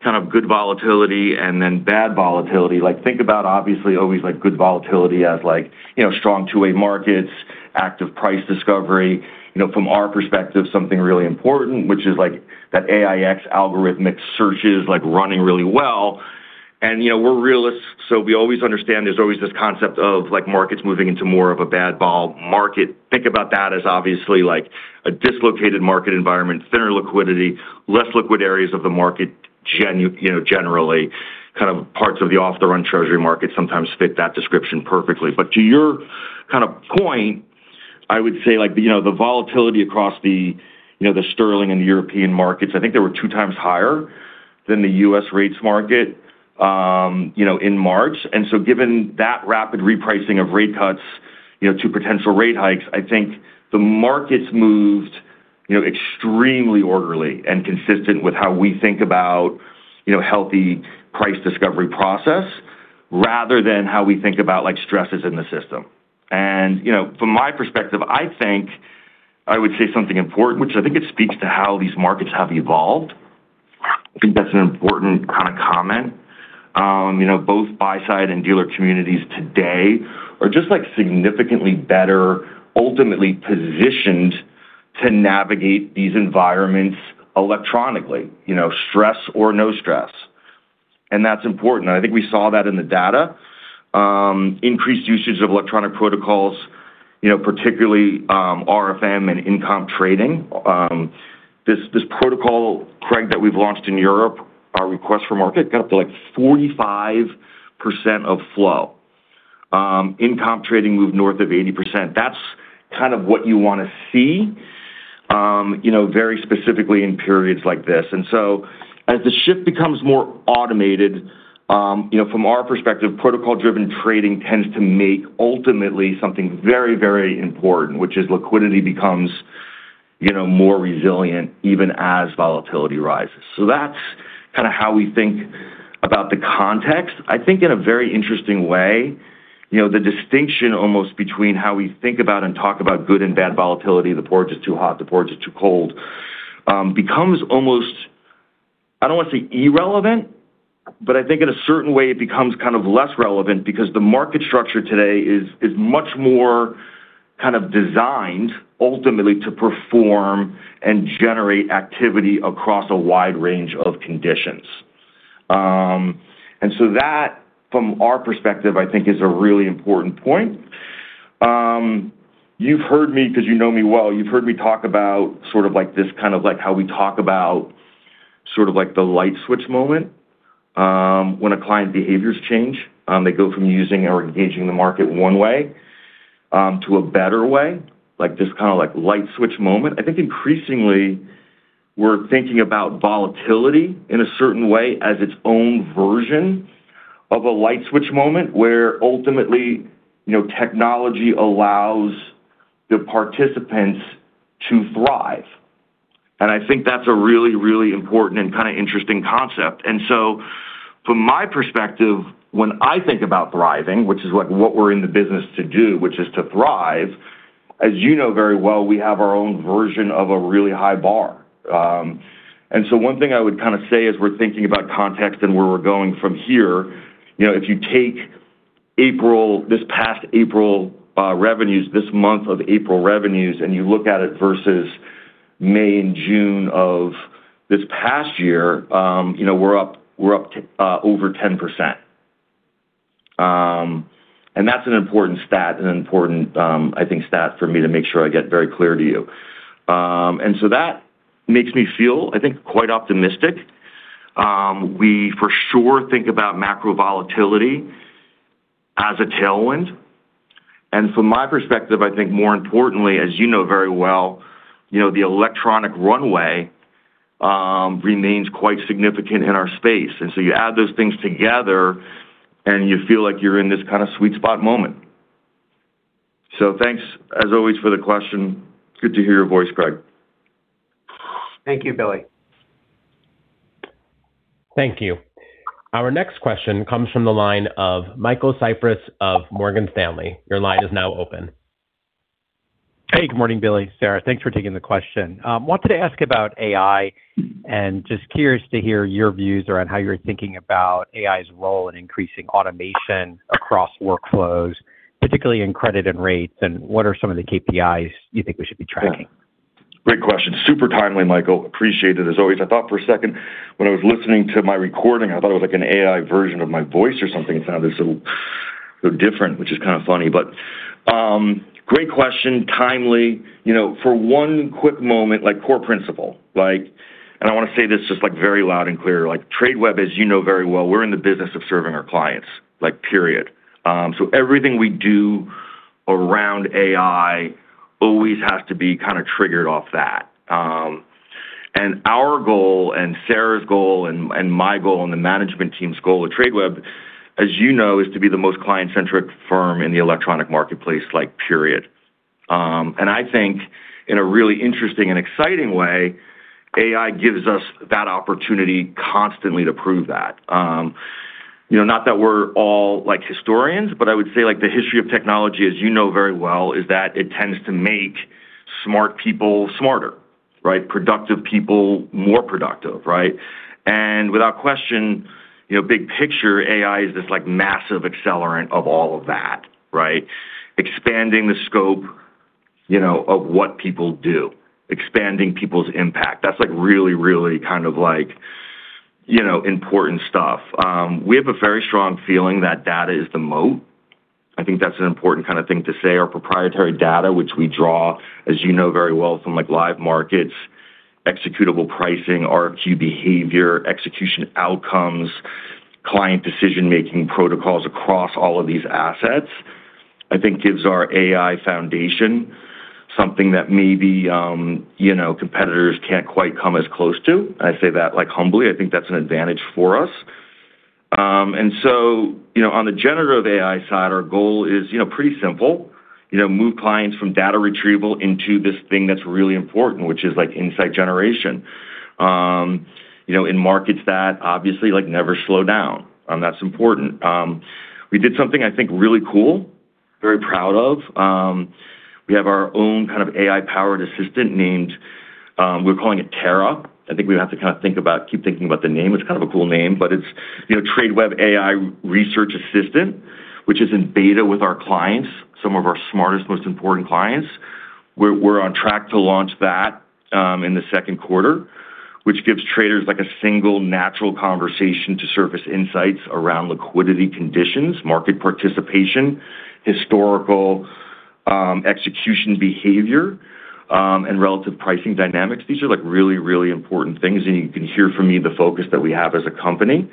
kind of good volatility and then bad volatility, like think about obviously always like good volatility as like, you know, strong two-way markets, active price discovery, you know, from our perspective, something really important, which is like that AiEX algorithmic searches like running really well. You know, we're realists, so we always understand there's always this concept of like markets moving into more of a bad vol market. Think about that as obviously like a dislocated market environment, thinner liquidity, less liquid areas of the market, you know, generally, kind of parts of the off-the-run Treasury market sometimes fit that description perfectly. To your kind of point, I would say like, you know, the volatility across the, you know, the sterling and European markets, I think they were 2 times higher than the U.S. rates market, you know, in March. Given that rapid repricing of rate cuts, you know, to potential rate hikes, I think the markets moved, you know, extremely orderly and consistent with how we think about, you know, healthy price discovery process rather than how we think about like stresses in the system. You know, from my perspective, I think I would say something important, which I think it speaks to how these markets have evolved. I think that's an important kind of comment. You know, both buy-side and dealer communities today are just like significantly better ultimately positioned to navigate these environments electronically, you know, stress or no stress. That's important. I think we saw that in the data, increased usage of electronic protocols, you know, particularly, RFM and Incomp trading. This protocol, Craig, that we've launched in Europe, our request for market got up to like 45% of flow. Incomp trading moved north of 80%. That's kind of what you wanna see, you know, very specifically in periods like this. As the shift becomes more automated, you know, from our perspective, protocol-driven trading tends to make ultimately something very, very important, which is liquidity becomes, you know, more resilient even as volatility rises. That's kinda how we think about the context. I think in a very interesting way, you know, the distinction almost between how we think about and talk about good and bad volatility, the porridge is too hot, the porridge is too cold, becomes almost, I don't wanna say irrelevant, but I think in a certain way it becomes kind of less relevant because the market structure today is much more kind of designed ultimately to perform and generate activity across a wide range of conditions. That from our perspective, I think is a really important point. You've heard me because you know me well, you've heard me talk about sort of like this kind of like how we talk about sort of like the light switch moment, when a client behaviors change, they go from using or engaging the market one way to a better way, like this kind of like light switch moment. I think increasingly we're thinking about volatility in a certain way as its own version of a light switch moment, where ultimately, you know, technology allows the participants to thrive. I think that's a really important and kind of interesting concept. From my perspective, when I think about thriving, which is like what we're in the business to do, which is to thrive, as you know very well, we have our own version of a really high bar. One thing I would kind of say as we're thinking about context and where we're going from here, you know, if you take April—this past April, revenues, this month of April revenues, and you look at it versus May and June of this past year, you know, we're up over 10%. That's an important stat, an important, I think stat for me to make sure I get very clear to you. That makes me feel, I think, quite optimistic. We for sure think about macro volatility as a tailwind. From my perspective, I think more importantly, as you know very well, you know, the electronic runway remains quite significant in our space. You add those things together, and you feel like you're in this kind of sweet spot moment. Thanks as always for the question. Good to hear your voice, Craig. Thank you, Billy. Thank you. Our next question comes from the line of Michael Cyprys of Morgan Stanley. Hey, good morning, Billy, Sara. Thanks for taking the question. Just curious to hear your views around how you're thinking about AI's role in increasing automation across workflows, particularly in credit and rates, and what are some of the KPIs you think we should be tracking? Great question. Super timely, Michael Cyprys. Appreciate it as always. I thought for a second when I was listening to my recording, I thought it was like an AI version of my voice or something. It sounded so different, which is kind of funny. Great question, timely. You know, for one quick moment, like core principle, like, I want to say this just like very loud and clear, like Tradeweb Markets, as you know very well, we're in the business of serving our clients, period. Everything we do around AI always has to be kind of triggered off that. Our goal and Sara Furber's goal and my goal and the management team's goal at Tradeweb Markets, as you know, is to be the most client-centric firm in the electronic marketplace, period. I think in a really interesting and exciting way, AI gives us that opportunity constantly to prove that. You know, not that we're all like historians, but I would say like the history of technology, as you know very well, is that it tends to make smart people smarter, right? Productive people more productive, right? Without question, you know, big picture AI is this like massive accelerant of all of that, right? Expanding the scope, you know, of what people do, expanding people's impact. That's like really, really kind of like, you know, important stuff. We have a very strong feeling that data is the moat. I think that's an important kind of thing to say. Our proprietary data, which we draw, as you know very well, from like live markets, executable pricing, RFQ behavior, execution outcomes, client decision-making protocols across all of these assets, I think gives our AI foundation something that maybe, you know, competitors can't quite come as close to. I say that like humbly. I think that's an advantage for us. You know, on the generative AI side, our goal is, you know, pretty simple. You know, move clients from data retrieval into this thing that's really important, which is like insight generation. You know, in markets that obviously like never slow down, that's important. We did something I think really cool, very proud of. We have our own kind of AI-powered assistant named, we're calling it Terra. I think we have to kind of keep thinking about the name. It's kind of a cool name, but it's, you know, Tradeweb AI research assistant, which is in beta with our clients, some of our smartest, most important clients. We're on track to launch that in 2Q, which gives traders like a single natural conversation to surface insights around liquidity conditions, market participation, historical execution behavior, and relative pricing dynamics. These are like really, really important things, and you can hear from me the focus that we have as a company.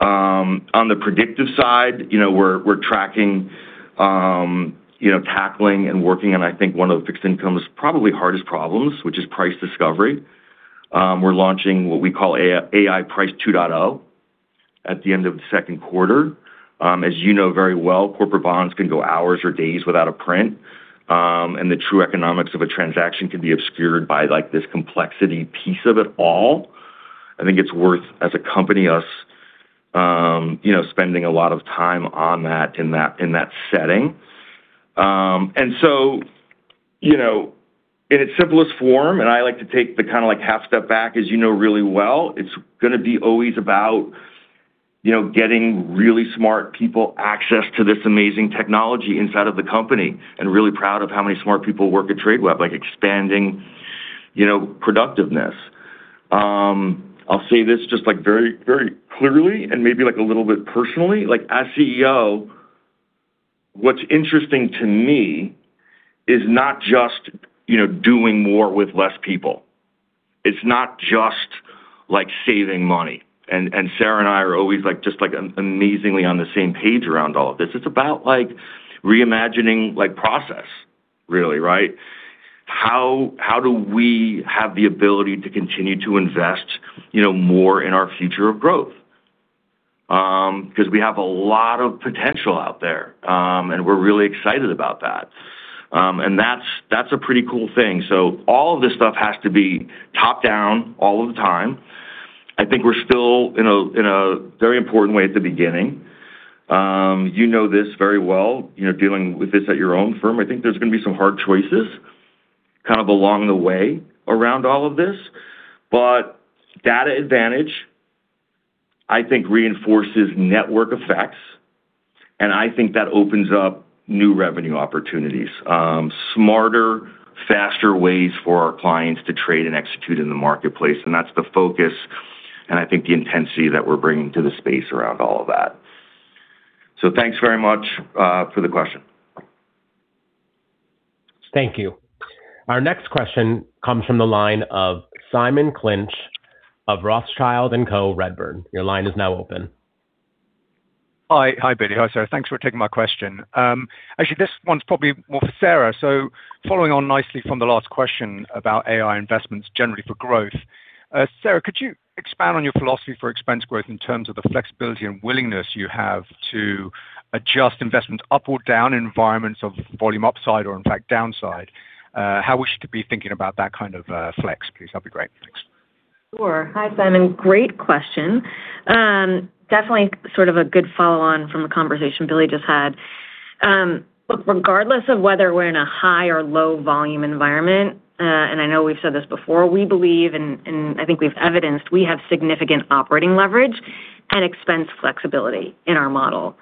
On the predictive side, we're tracking, tackling and working on, I think one of the fixed income's probably hardest problems, which is price discovery. We're launching what we call Ai-Price 2.0 at the end of 2Q. As you know very well, corporate bonds can go hours or days without a print, and the true economics of a transaction can be obscured by like this complexity piece of it all. I think it's worth as a company, us, you know, spending a lot of time on that in that setting. You know, in its simplest form, and I like to take the kind of like half step back as you know really well, it's gonna be always about, you know, getting really smart people access to this amazing technology inside of the company, and really proud of how many smart people work at Tradeweb, like expanding, you know, productiveness. I'll say this just like very clearly and maybe like a little bit personally, like as CEO, what's interesting to me is not just, you know, doing more with less people. It's not just like saving money. Sara and I are always like just like amazingly on the same page around all of this. It's about like reimagining like process really, right? How do we have the ability to continue to invest, you know, more in our future of growth? cause we have a lot of potential out there, and we're really excited about that. And that's a pretty cool thing. All of this stuff has to be top-down all of the time. I think we're still in a very important way at the beginning. You know this very well, you know, dealing with this at your own firm. I think there's going to be some hard choices kind of along the way around all of this. Data advantage, I think reinforces network effects, and I think that opens up new revenue opportunities. Smarter, faster ways for our clients to trade and execute in the marketplace, and that's the focus and I think the intensity that we're bringing to the space around all of that. Thanks very much for the question. Thank you. Our next question comes from the line of Simon Clinch of Rothschild & Co Redburn. Your line is now open. Hi. Hi, Billy. Hi, Sara. Thanks for taking my question. Actually, this one's probably more for Sara. Following on nicely from the last question about AI investments generally for growth, Sara, could you expand on your philosophy for expense growth in terms of the flexibility and willingness you have to adjust investment up or down in environments of volume upside or in fact downside? How we should be thinking about that kind of flex, please? That'd be great. Thanks. Sure. Hi, Simon. Great question. Definitely sort of a good follow on from a conversation Billy just had. Look, regardless of whether we're in a high or low volume environment, and I know we've said this before, we believe and I think we've evidenced we have significant operating leverage and expense flexibility in our model.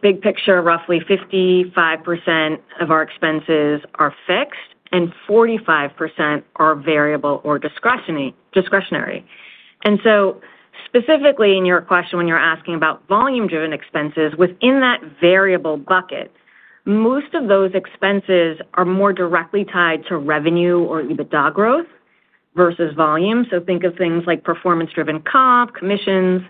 Big picture, roughly 55% of our expenses are fixed and 45% are variable or discretionary. Specifically in your question when you're asking about volume-driven expenses, within that variable bucket, most of those expenses are more directly tied to revenue or EBITDA growth versus volume. Think of things like performance-driven comp, commissions.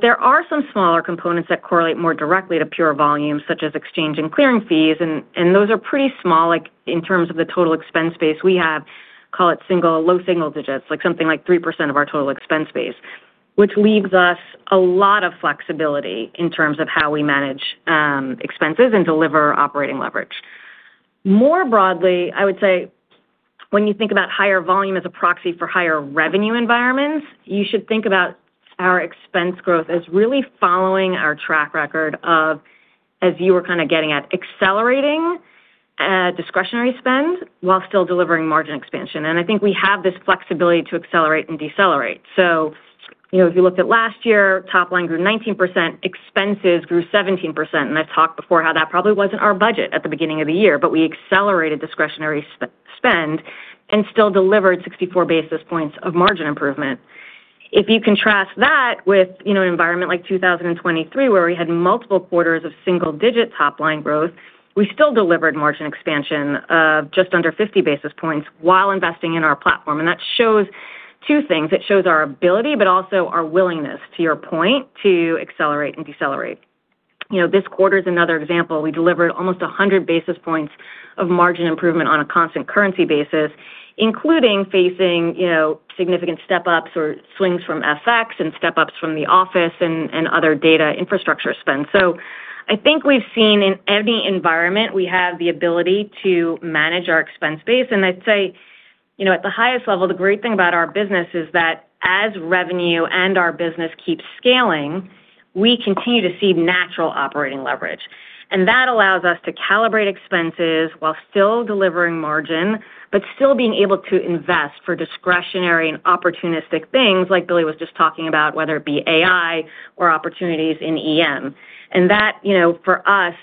There are some smaller components that correlate more directly to pure volume, such as exchange and clearing fees and those are pretty small, like in terms of the total expense base we have, call it low single digits, like something like 3% of our total expense base, which leaves us a lot of flexibility in terms of how we manage expenses and deliver operating leverage. More broadly, I would say when you think about higher volume as a proxy for higher revenue environments, you should think about our expense growth as really following our track record of, as you were kind of getting at, accelerating discretionary spend while still delivering margin expansion. I think we have this flexibility to accelerate and decelerate. You know, if you looked at last year, top line grew 19%, expenses grew 17%. I've talked before how that probably wasn't our budget at the beginning of the year, but we accelerated discretionary spend and still delivered 64 basis points of margin improvement. If you contrast that with, you know, an environment like 2023 where we had multiple quarters of single-digit top line growth, we still delivered margin expansion of just under 50 basis points while investing in our platform. That shows two things. It shows our ability, but also our willingness, to your point, to accelerate and decelerate. You know, this quarter's another example. We delivered almost 100 basis points of margin improvement on a constant currency basis, including facing, you know, significant step-ups or swings from FX and step-ups from the office and other data infrastructure spend. I think we've seen in any environment, we have the ability to manage our expense base. I'd say, you know, at the highest level, the great thing about our business is that as revenue and our business keeps scaling, we continue to see natural operating leverage, and that allows us to calibrate expenses while still delivering margin, but still being able to invest for discretionary and opportunistic things like Billy was just talking about, whether it be AI or opportunities in EM. That, you know, for us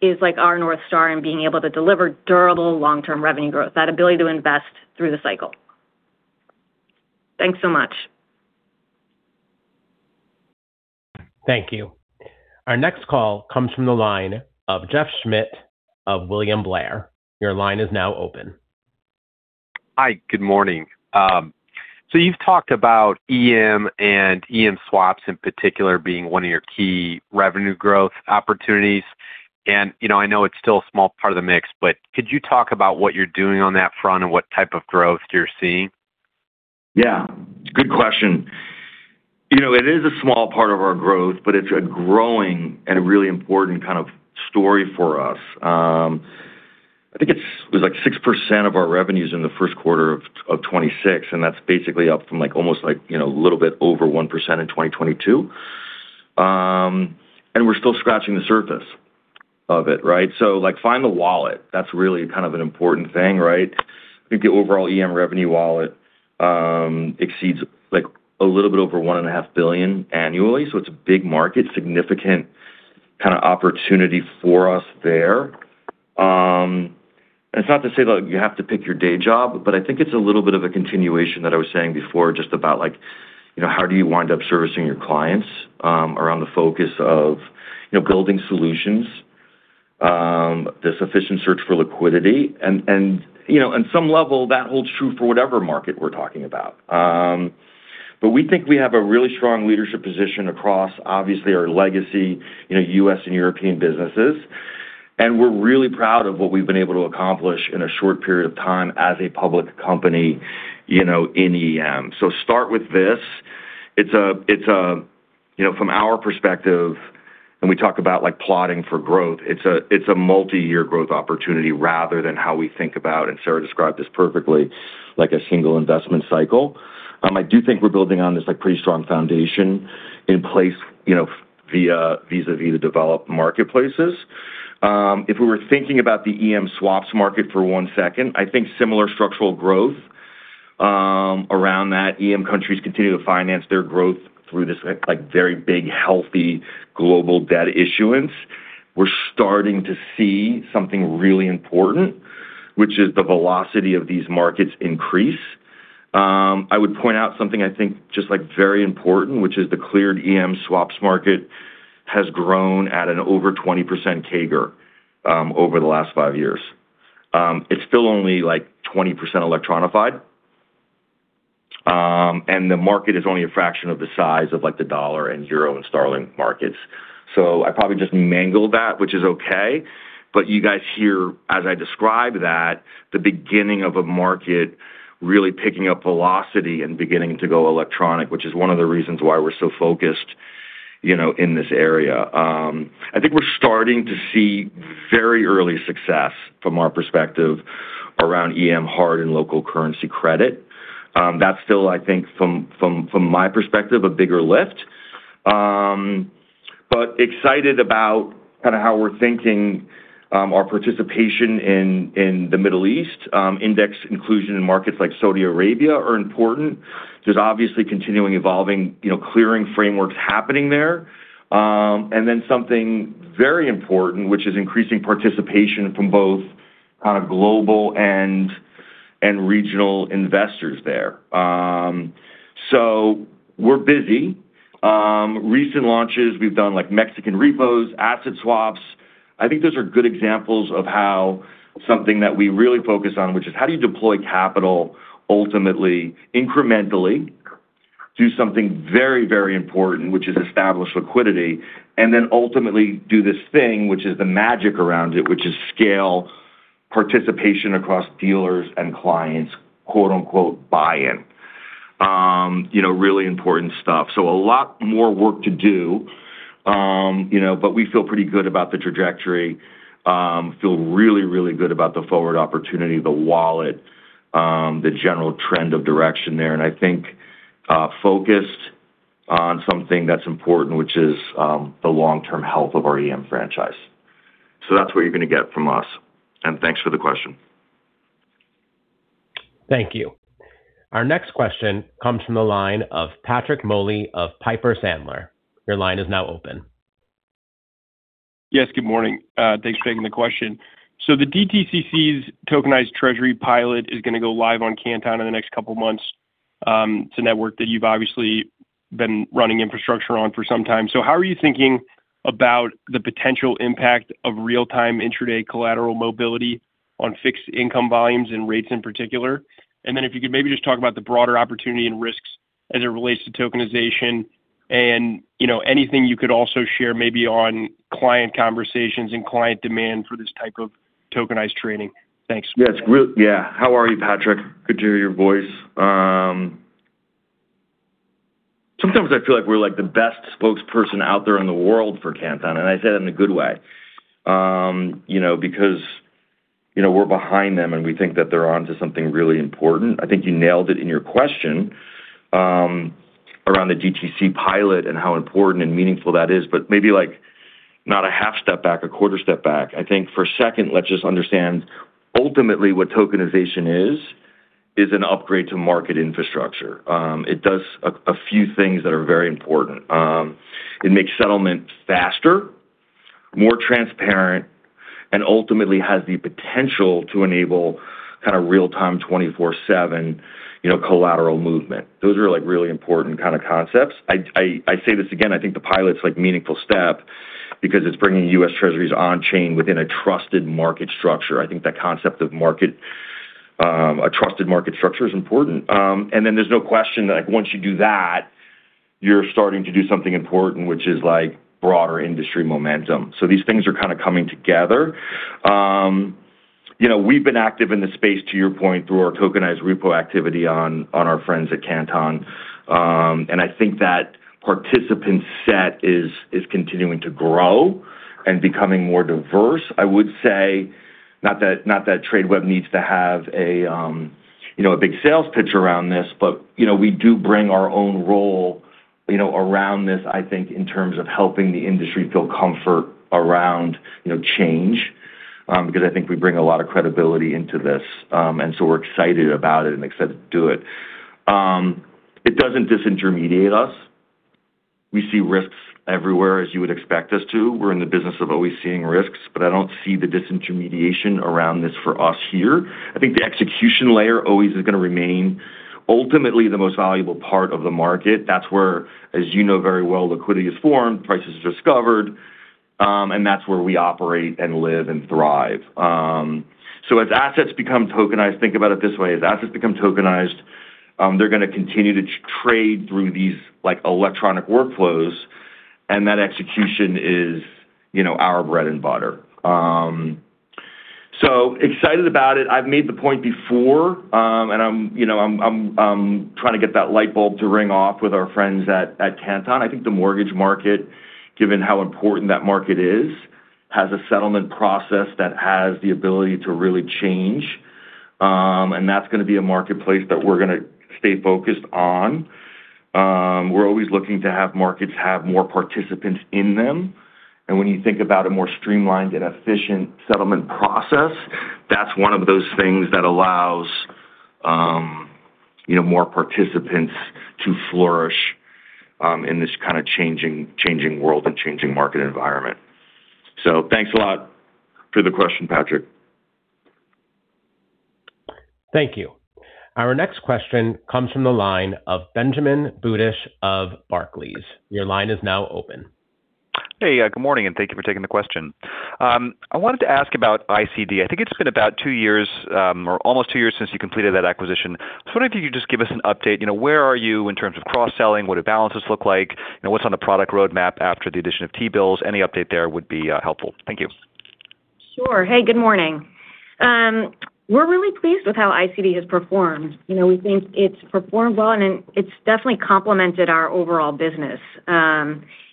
is like our North Star in being able to deliver durable long-term revenue growth, that ability to invest through the cycle. Thanks so much. Thank you. Our next call comes from the line of Jeff Schmitt of William Blair. Your line is now open. Hi. Good morning. You've talked about EM and EM swaps in particular being one of your key revenue growth opportunities. You know, I know it's still a small part of the mix, but could you talk about what you're doing on that front and what type of growth you're seeing? Yeah. Good question. You know, it is a small part of our growth, but it's a growing and a really important kind of story for us. I think it was like 6% of our revenues in the first quarter of 2026, and that's basically up from like almost like, you know, a little bit over 1% in 2022. We're still scratching the surface of it, right? Like, find the wallet, that's really kind of an important thing, right? I think the overall EM revenue wallet exceeds like a little bit over $1.5 billion annually, so it's a big market, significant kind of opportunity for us there. It's not to say that you have to pick your day job, but I think it's a little bit of a continuation that I was saying before, just about like, you know, how do you wind up servicing your clients, around the focus of, you know, building solutions. This efficient search for liquidity and, you know, on some level, that holds true for whatever market we're talking about. We think we have a really strong leadership position across obviously our legacy, you know, U.S. and European businesses. We're really proud of what we've been able to accomplish in a short period of time as a public company, you know, in EM. Start with this. It's a, you know, from our perspective, and we talk about like plotting for growth, it's a multi-year growth opportunity rather than how we think about, and Sara described this perfectly, like a single investment cycle. I do think we're building on this like pretty strong foundation in place, you know, vis-à-vis the developed marketplaces. If we were thinking about the EM swaps market for one second, I think similar structural growth around that EM countries continue to finance their growth through this like very big, healthy global debt issuance. We're starting to see something really important, which is the velocity of these markets increase. I would point out something I think just like very important, which is the cleared EM swaps market has grown at an over 20% CAGR over the last five years. It's still only 20% electronified. The market is only a fraction of the size of the dollar and euro and sterling markets. I probably just mangled that, which is okay. You guys hear, as I describe that, the beginning of a market really picking up velocity and beginning to go electronic, which is one of the reasons why we're so focused, you know, in this area. I think we're starting to see very early success from our perspective around EM hard and local currency credit. That's still, I think, from my perspective, a bigger lift. Excited about kind of how we're thinking, our participation in the Middle East. Index inclusion in markets like Saudi Arabia are important. There's obviously continuing evolving, you know, clearing frameworks happening there. Something very important, which is increasing participation from both kind of global and regional investors there. We're busy. Recent launches, we've done like Mexican repos, asset swaps. I think those are good examples of how something that we really focus on, which is how do you deploy capital ultimately incrementally, do something very, very important, which is establish liquidity, and then ultimately do this thing, which is the magic around it, which is scale participation across dealers and clients, quote-unquote, buy-in. You know, really important stuff. A lot more work to do, you know, but we feel pretty good about the trajectory. Feel really, really good about the forward opportunity, the wallet, the general trend of direction there. I think, focused on something that's important, which is the long-term health of our EM franchise. That's what you're going to get from us. Thanks for the question. Thank you. Our next question comes from the line of Patrick Moley of Piper Sandler. Your line is now open. Yes, good morning. Thanks for taking the question. The DTCC's tokenized Treasury pilot is going to go live on Canton in the next couple of months. It's a network that you've obviously been running infrastructure on for some time. How are you thinking about the potential impact of real-time intraday collateral mobility on fixed income volumes and rates in particular? If you could maybe just talk about the broader opportunity and risks as it relates to tokenization and, you know, anything you could also share maybe on client conversations and client demand for this type of tokenized trading. Thanks. Yes. How are you, Patrick? Good to hear your voice. Sometimes I feel like we're like the best spokesperson out there in the world for Canton, and I say that in a good way. You know, because, you know, we're behind them, and we think that they're onto something really important. I think you nailed it in your question, around the DTCC pilot and how important and meaningful that is. Maybe like not a half step back, a quarter step back. I think for a second, let's just understand ultimately what tokenization is an upgrade to market infrastructure. It does a few things that are very important. It makes settlement faster, more transparent, and ultimately has the potential to enable kind of real-time 24/7, you know, collateral movement. Those are like really important kind of concepts. I say this again, I think the pilot's like meaningful step because it's bringing U.S. Treasuries on-chain within a trusted market structure. I think that concept of market, a trusted market structure is important. There's no question that, like, once you do that, you're starting to do something important, which is like broader industry momentum. These things are kind of coming together. You know, we've been active in the space, to your point, through our tokenized repo activity on our friends at Canton. I think that participant set is continuing to grow and becoming more diverse. I would say, not that Tradeweb needs to have a, you know, a big sales pitch around this, but, you know, we do bring our own role, you know, around this, I think, in terms of helping the industry feel comfort around, you know, change. I think we bring a lot of credibility into this. We're excited about it and excited to do it. It doesn't disintermediate us. We see risks everywhere, as you would expect us to. We're in the business of always seeing risks, but I don't see the disintermediation around this for us here. I think the execution layer always is going to remain ultimately the most valuable part of the market, that's where, as you know very well, liquidity is formed, prices discovered, and that's where we operate and live and thrive. As assets become tokenized, think about it this way. As assets become tokenized, they're gonna continue to trade through these, like, electronic workflows, and that execution is, you know, our bread and butter. Excited about it. I've made the point before, I'm, you know, I'm trying to get that light bulb to ring off with our friends at Canton. I think the mortgage market, given how important that market is, has a settlement process that has the ability to really change. That's gonna be a marketplace that we're gonna stay focused on. We're always looking to have markets have more participants in them, and when you think about a more streamlined and efficient settlement process, that's one of those things that allows, you know, more participants to flourish in this kinda changing world and changing market environment. Thanks a lot for the question, Patrick. Thank you. Our next question comes from the line of Benjamin Budish of Barclays. Your line is now open. Hey, good morning, and thank you for taking the question. I wanted to ask about ICD. I think it's been about two years, or almost two years since you completed that acquisition. I was wondering if you could just give us an update. You know, where are you in terms of cross-selling? What do balances look like? You know, what's on the product roadmap after the addition of T-bills? Any update there would be helpful. Thank you. Sure. Hey, good morning. We're really pleased with how ICD has performed. You know, we think it's performed well, and it's definitely complemented our overall business.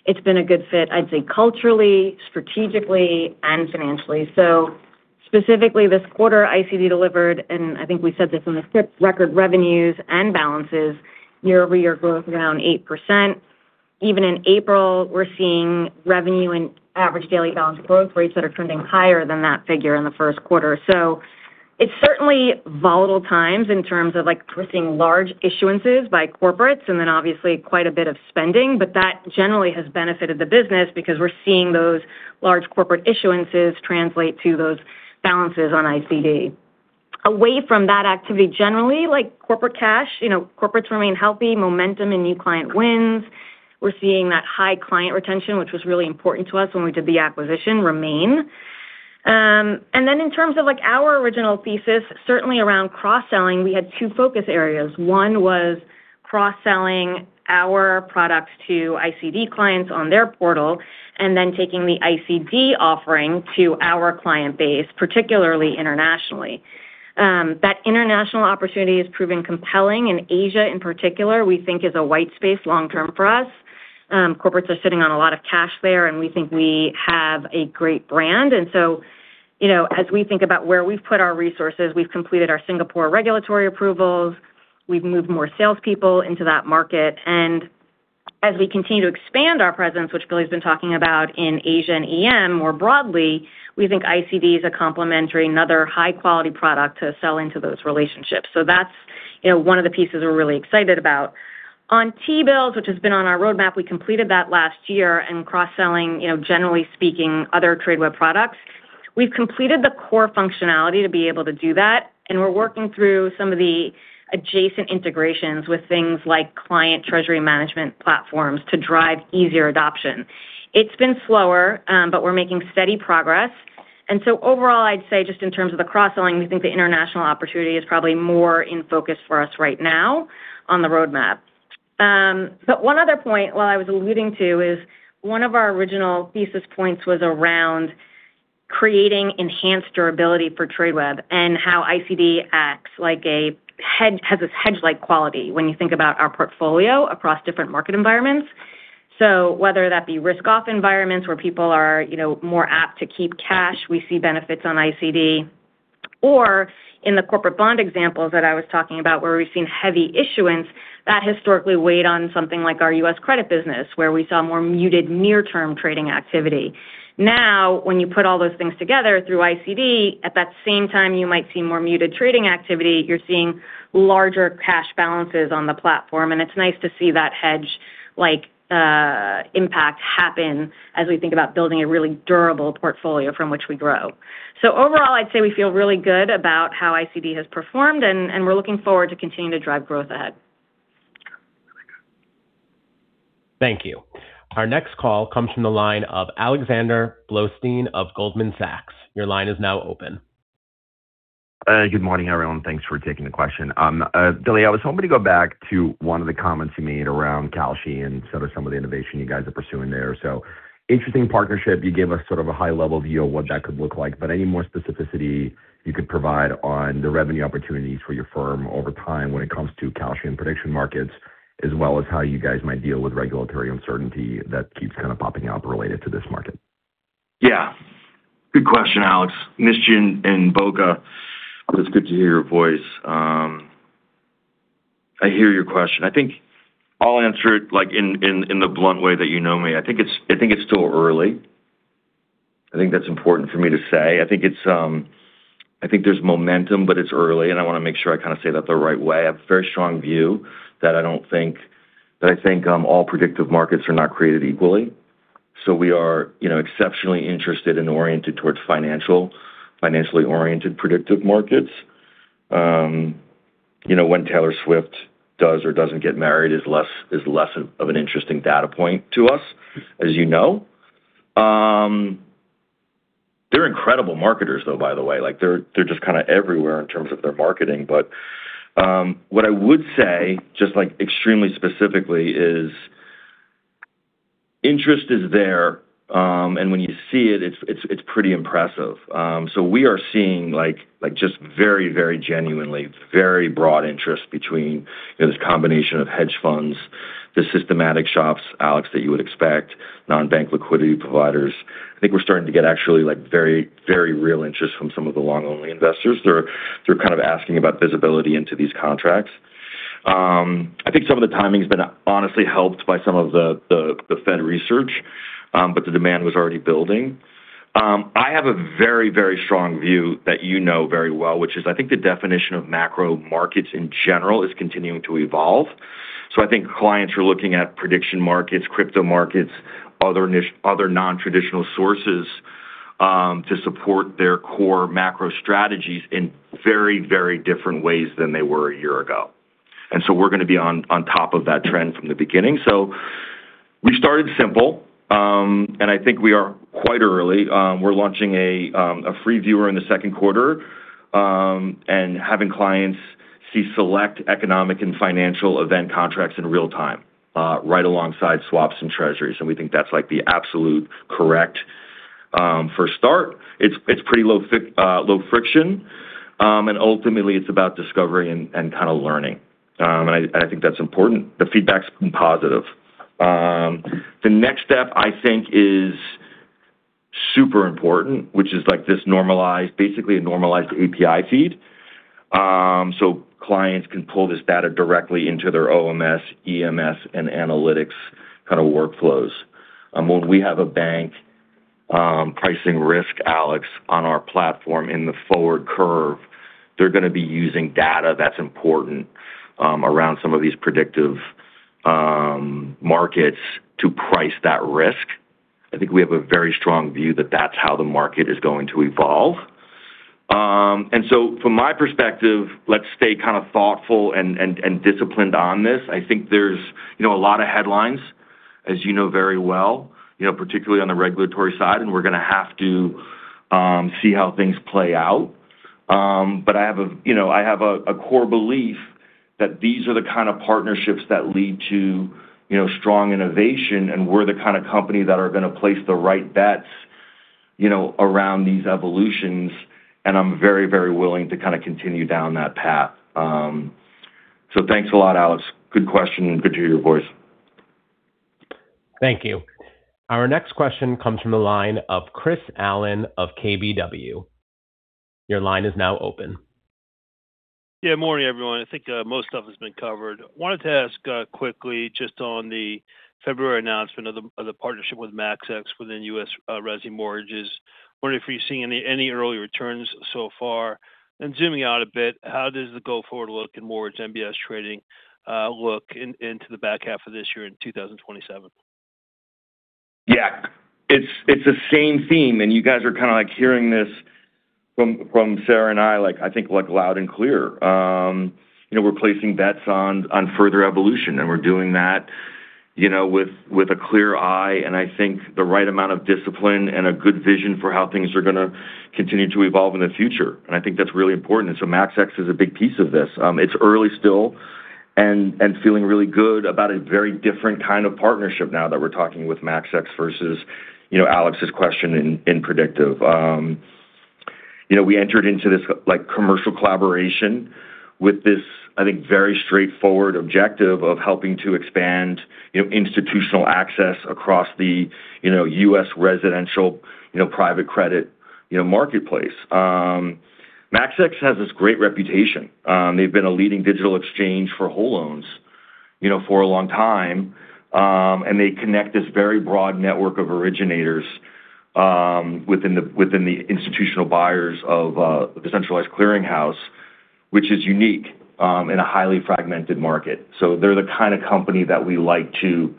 It's been a good fit, I'd say, culturally, strategically, and financially. Specifically this quarter, ICD delivered, and I think we said this in the script, record revenues and balances, year-over-year growth around 8%. Even in April, we're seeing revenue and average daily balance growth rates that are trending higher than that figure in the first quarter. It's certainly volatile times in terms of, like, we're seeing large issuances by corporates, and then obviously quite a bit of spending. That generally has benefited the business because we're seeing those large corporate issuances translate to those balances on ICD. Away from that activity, generally, like corporate cash, you know, corporates remain healthy, momentum and new client wins. We're seeing that high client retention, which was really important to us when we did the acquisition, remain. In terms of, like, our original thesis, certainly around cross-selling, we had two focus areas. One was cross-selling our products to ICD clients on their portal, taking the ICD offering to our client base, particularly internationally. That international opportunity has proven compelling. In Asia, in particular, we think is a white space long-term for us. Corporates are sitting on a lot of cash there, we think we have a great brand. You know, as we think about where we've put our resources, we've completed our Singapore regulatory approvals, we've moved more salespeople into that market. As we continue to expand our presence, which Billy's been talking about in Asia and EM more broadly, we think ICD is a complementary and other high-quality product to sell into those relationships. That's, you know, one of the pieces we're really excited about. On T-bills, which has been on our roadmap, we completed that last year, and cross-selling, you know, generally speaking, other Tradeweb products. We've completed the core functionality to be able to do that, and we're working through some of the adjacent integrations with things like client treasury management platforms to drive easier adoption. It's been slower, but we're making steady progress. Overall, I'd say just in terms of the cross-selling, we think the international opportunity is probably more in focus for us right now on the roadmap. One other point, what I was alluding to is one of our original thesis points was around creating enhanced durability for Tradeweb and how ICD has this hedge-like quality when you think about our portfolio across different market environments. Whether that be risk-off environments where people are, you know, more apt to keep cash, we see benefits on ICD. In the corporate bond examples that I was talking about where we've seen heavy issuance, that historically weighed on something like our U.S. credit business, where we saw more muted near-term trading activity. When you put all those things together through ICD, at that same time you might see more muted trading activity, you're seeing larger cash balances on the platform, and it's nice to see that hedge-like impact happen as we think about building a really durable portfolio from which we grow. Overall, I'd say we feel really good about how ICD has performed, and we're looking forward to continuing to drive growth ahead. Thank you. Our next call comes from the line of Alexander Blostein of Goldman Sachs. Your line is now open. Good morning, everyone. Thanks for taking the question. Billy, I was hoping to go back to one of the comments you made around Kalshi and sort of some of the innovation you guys are pursuing there. Interesting partnership. You gave us sort of a high-level view of what that could look like, but any more specificity you could provide on the revenue opportunities for your firm over time when it comes to Kalshi and prediction markets, as well as how you guys might deal with regulatory uncertainty that keeps kind of popping up related to this market? Yeah. Good question, Alex. Missed you in Boca. It's good to hear your voice. I hear your question. I think I'll answer it, like, in, in the blunt way that you know me. I think it's still early. I think that's important for me to say. I think there's momentum, but it's early, and I wanna make sure I kinda say that the right way. I have a very strong view that I think all predictive markets are not created equally. We are, you know, exceptionally interested and oriented towards financially oriented predictive markets. You know, when Taylor Swift does or doesn't get married is less of an interesting data point to us, as you know. They're incredible marketers, though, by the way. Like, they're just kind of everywhere in terms of their marketing. What I would say, just, like, extremely specifically, is interest is there, and when you see it's pretty impressive. We are seeing, like, just very genuinely, very broad interest between, you know, this combination of hedge funds, the systematic shops, Alex, that you would expect, non-bank liquidity providers. I think we're starting to get actually, like, very real interest from some of the long-only investors. They're kind of asking about visibility into these contracts. I think some of the timing's been honestly helped by some of the Fed research, the demand was already building. I have a very strong view that you know very well, which is I think the definition of macro markets in general is continuing to evolve. I think clients are looking at prediction markets, crypto markets, other non-traditional sources to support their core macro strategies in very, very different ways than they were a year ago. We're gonna be on top of that trend from the beginning. We started simple, and I think we are quite early. We're launching a free viewer in the second quarter, and having clients see select economic and financial event contracts in real time, right alongside swaps and treasuries, and we think that's, like, the absolute correct first start. It's pretty low friction, and ultimately it's about discovery and kinda learning. And I think that's important. The feedback's been positive. The next step I think is super important, which is, like, this normalized. basically a normalized API feed. Clients can pull this data directly into their OMS, EMS, and analytics kind of workflows. When we have a bank pricing risk, Alex, on our platform in the forward curve, they're gonna be using data that's important around some of these predictive markets to price that risk. I think we have a very strong view that that's how the market is going to evolve. From my perspective, let's stay kind of thoughtful and, and disciplined on this. I think there's, you know, a lot of headlines, as you know very well, you know, particularly on the regulatory side, and we're gonna have to see how things play out. I have a, you know, I have a core belief that these are the kind of partnerships that lead to, you know, strong innovation, and we're the kinda company that are gonna place the right bets, you know, around these evolutions, and I'm very, very willing to kinda continue down that path. Thanks a lot, Alex. Good question. Good to hear your voice. Thank you. Our next question comes from the line of Chris Allen of KBW. Your line is now open. Yeah. Morning, everyone. I think most stuff has been covered. Wanted to ask quickly just on the February announcement of the partnership with MAXEX within U.S. resi mortgages. Wondering if you're seeing any early returns so far? Zooming out a bit, how does the go forward look in mortgage MBS trading into the back half of this year in 2027? Yeah. It's the same theme, and you guys are kinda like hearing this from Sara and I, like, I think, like, loud and clear. You know, we're placing bets on further evolution, and we're doing that, you know, with a clear eye, and I think the right amount of discipline and a good vision for how things are gonna continue to evolve in the future, and I think that's really important. MAXEX is a big piece of this. It's early still and feeling really good about a very different kind of partnership now that we're talking with MAXEX versus, you know, Alex's question in predictive. You know, we entered into this like, commercial collaboration with this, I think, very straightforward objective of helping to expand, you know, institutional access across the, you know, U.S. residential, you know, private credit, you know, marketplace. MAXEX has this great reputation. They've been a leading digital exchange for whole loans, you know, for a long time, and they connect this very broad network of originators within the, within the institutional buyers of the centralized clearinghouse, which is unique in a highly fragmented market. They're the kind of company that we like to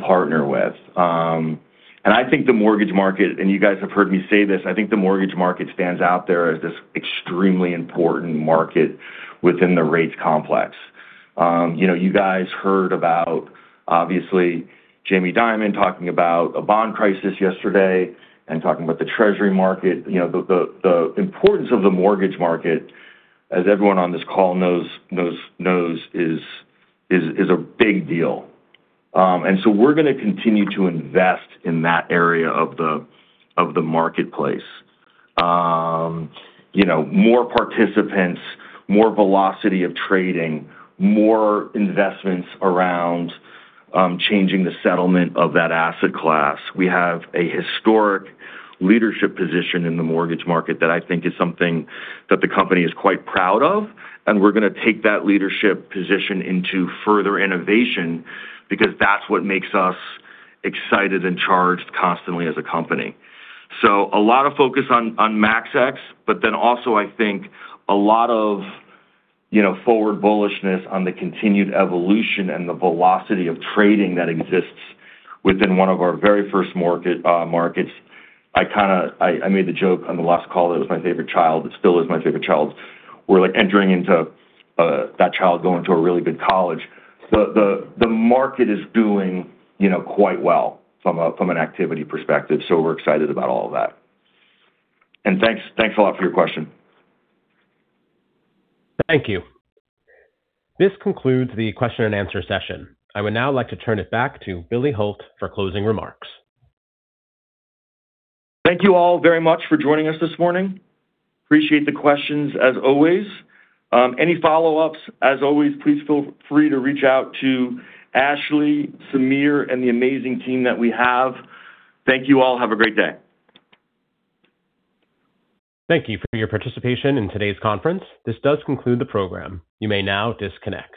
partner with. I think the mortgage market, and you guys have heard me say this, I think the mortgage market stands out there as this extremely important market within the rates complex. You know, you guys heard about, obviously, Jamie Dimon talking about a bond crisis yesterday and talking about the treasury market. You know, the importance of the mortgage market, as everyone on this call knows, is a big deal. We're gonna continue to invest in that area of the marketplace. You know, more participants, more velocity of trading, more investments around changing the settlement of that asset class. We have a historic leadership position in the mortgage market that I think is something that the company is quite proud of, and we're gonna take that leadership position into further innovation because that's what makes us excited and charged constantly as a company. A lot of focus on MAXEX, also I think a lot of, you know, forward bullishness on the continued evolution and the velocity of trading that exists within one of our very first market, markets. I made the joke on the last call that was my favorite child. It still is my favorite child. We're, like, entering into that child going to a really good college. The market is doing, you know, quite well from a, from an activity perspective. We're excited about all of that. Thanks, thanks a lot for your question. Thank you. This concludes the question and answer session. I would now like to turn it back to Billy Hult for closing remarks. Thank you all very much for joining us this morning. Appreciate the questions as always. Any follow-ups, as always, please feel free to reach out to Ashley, Samir, and the amazing team that we have. Thank you all. Have a great day. Thank you for your participation in today's conference. This does conclude the program. You may now disconnect.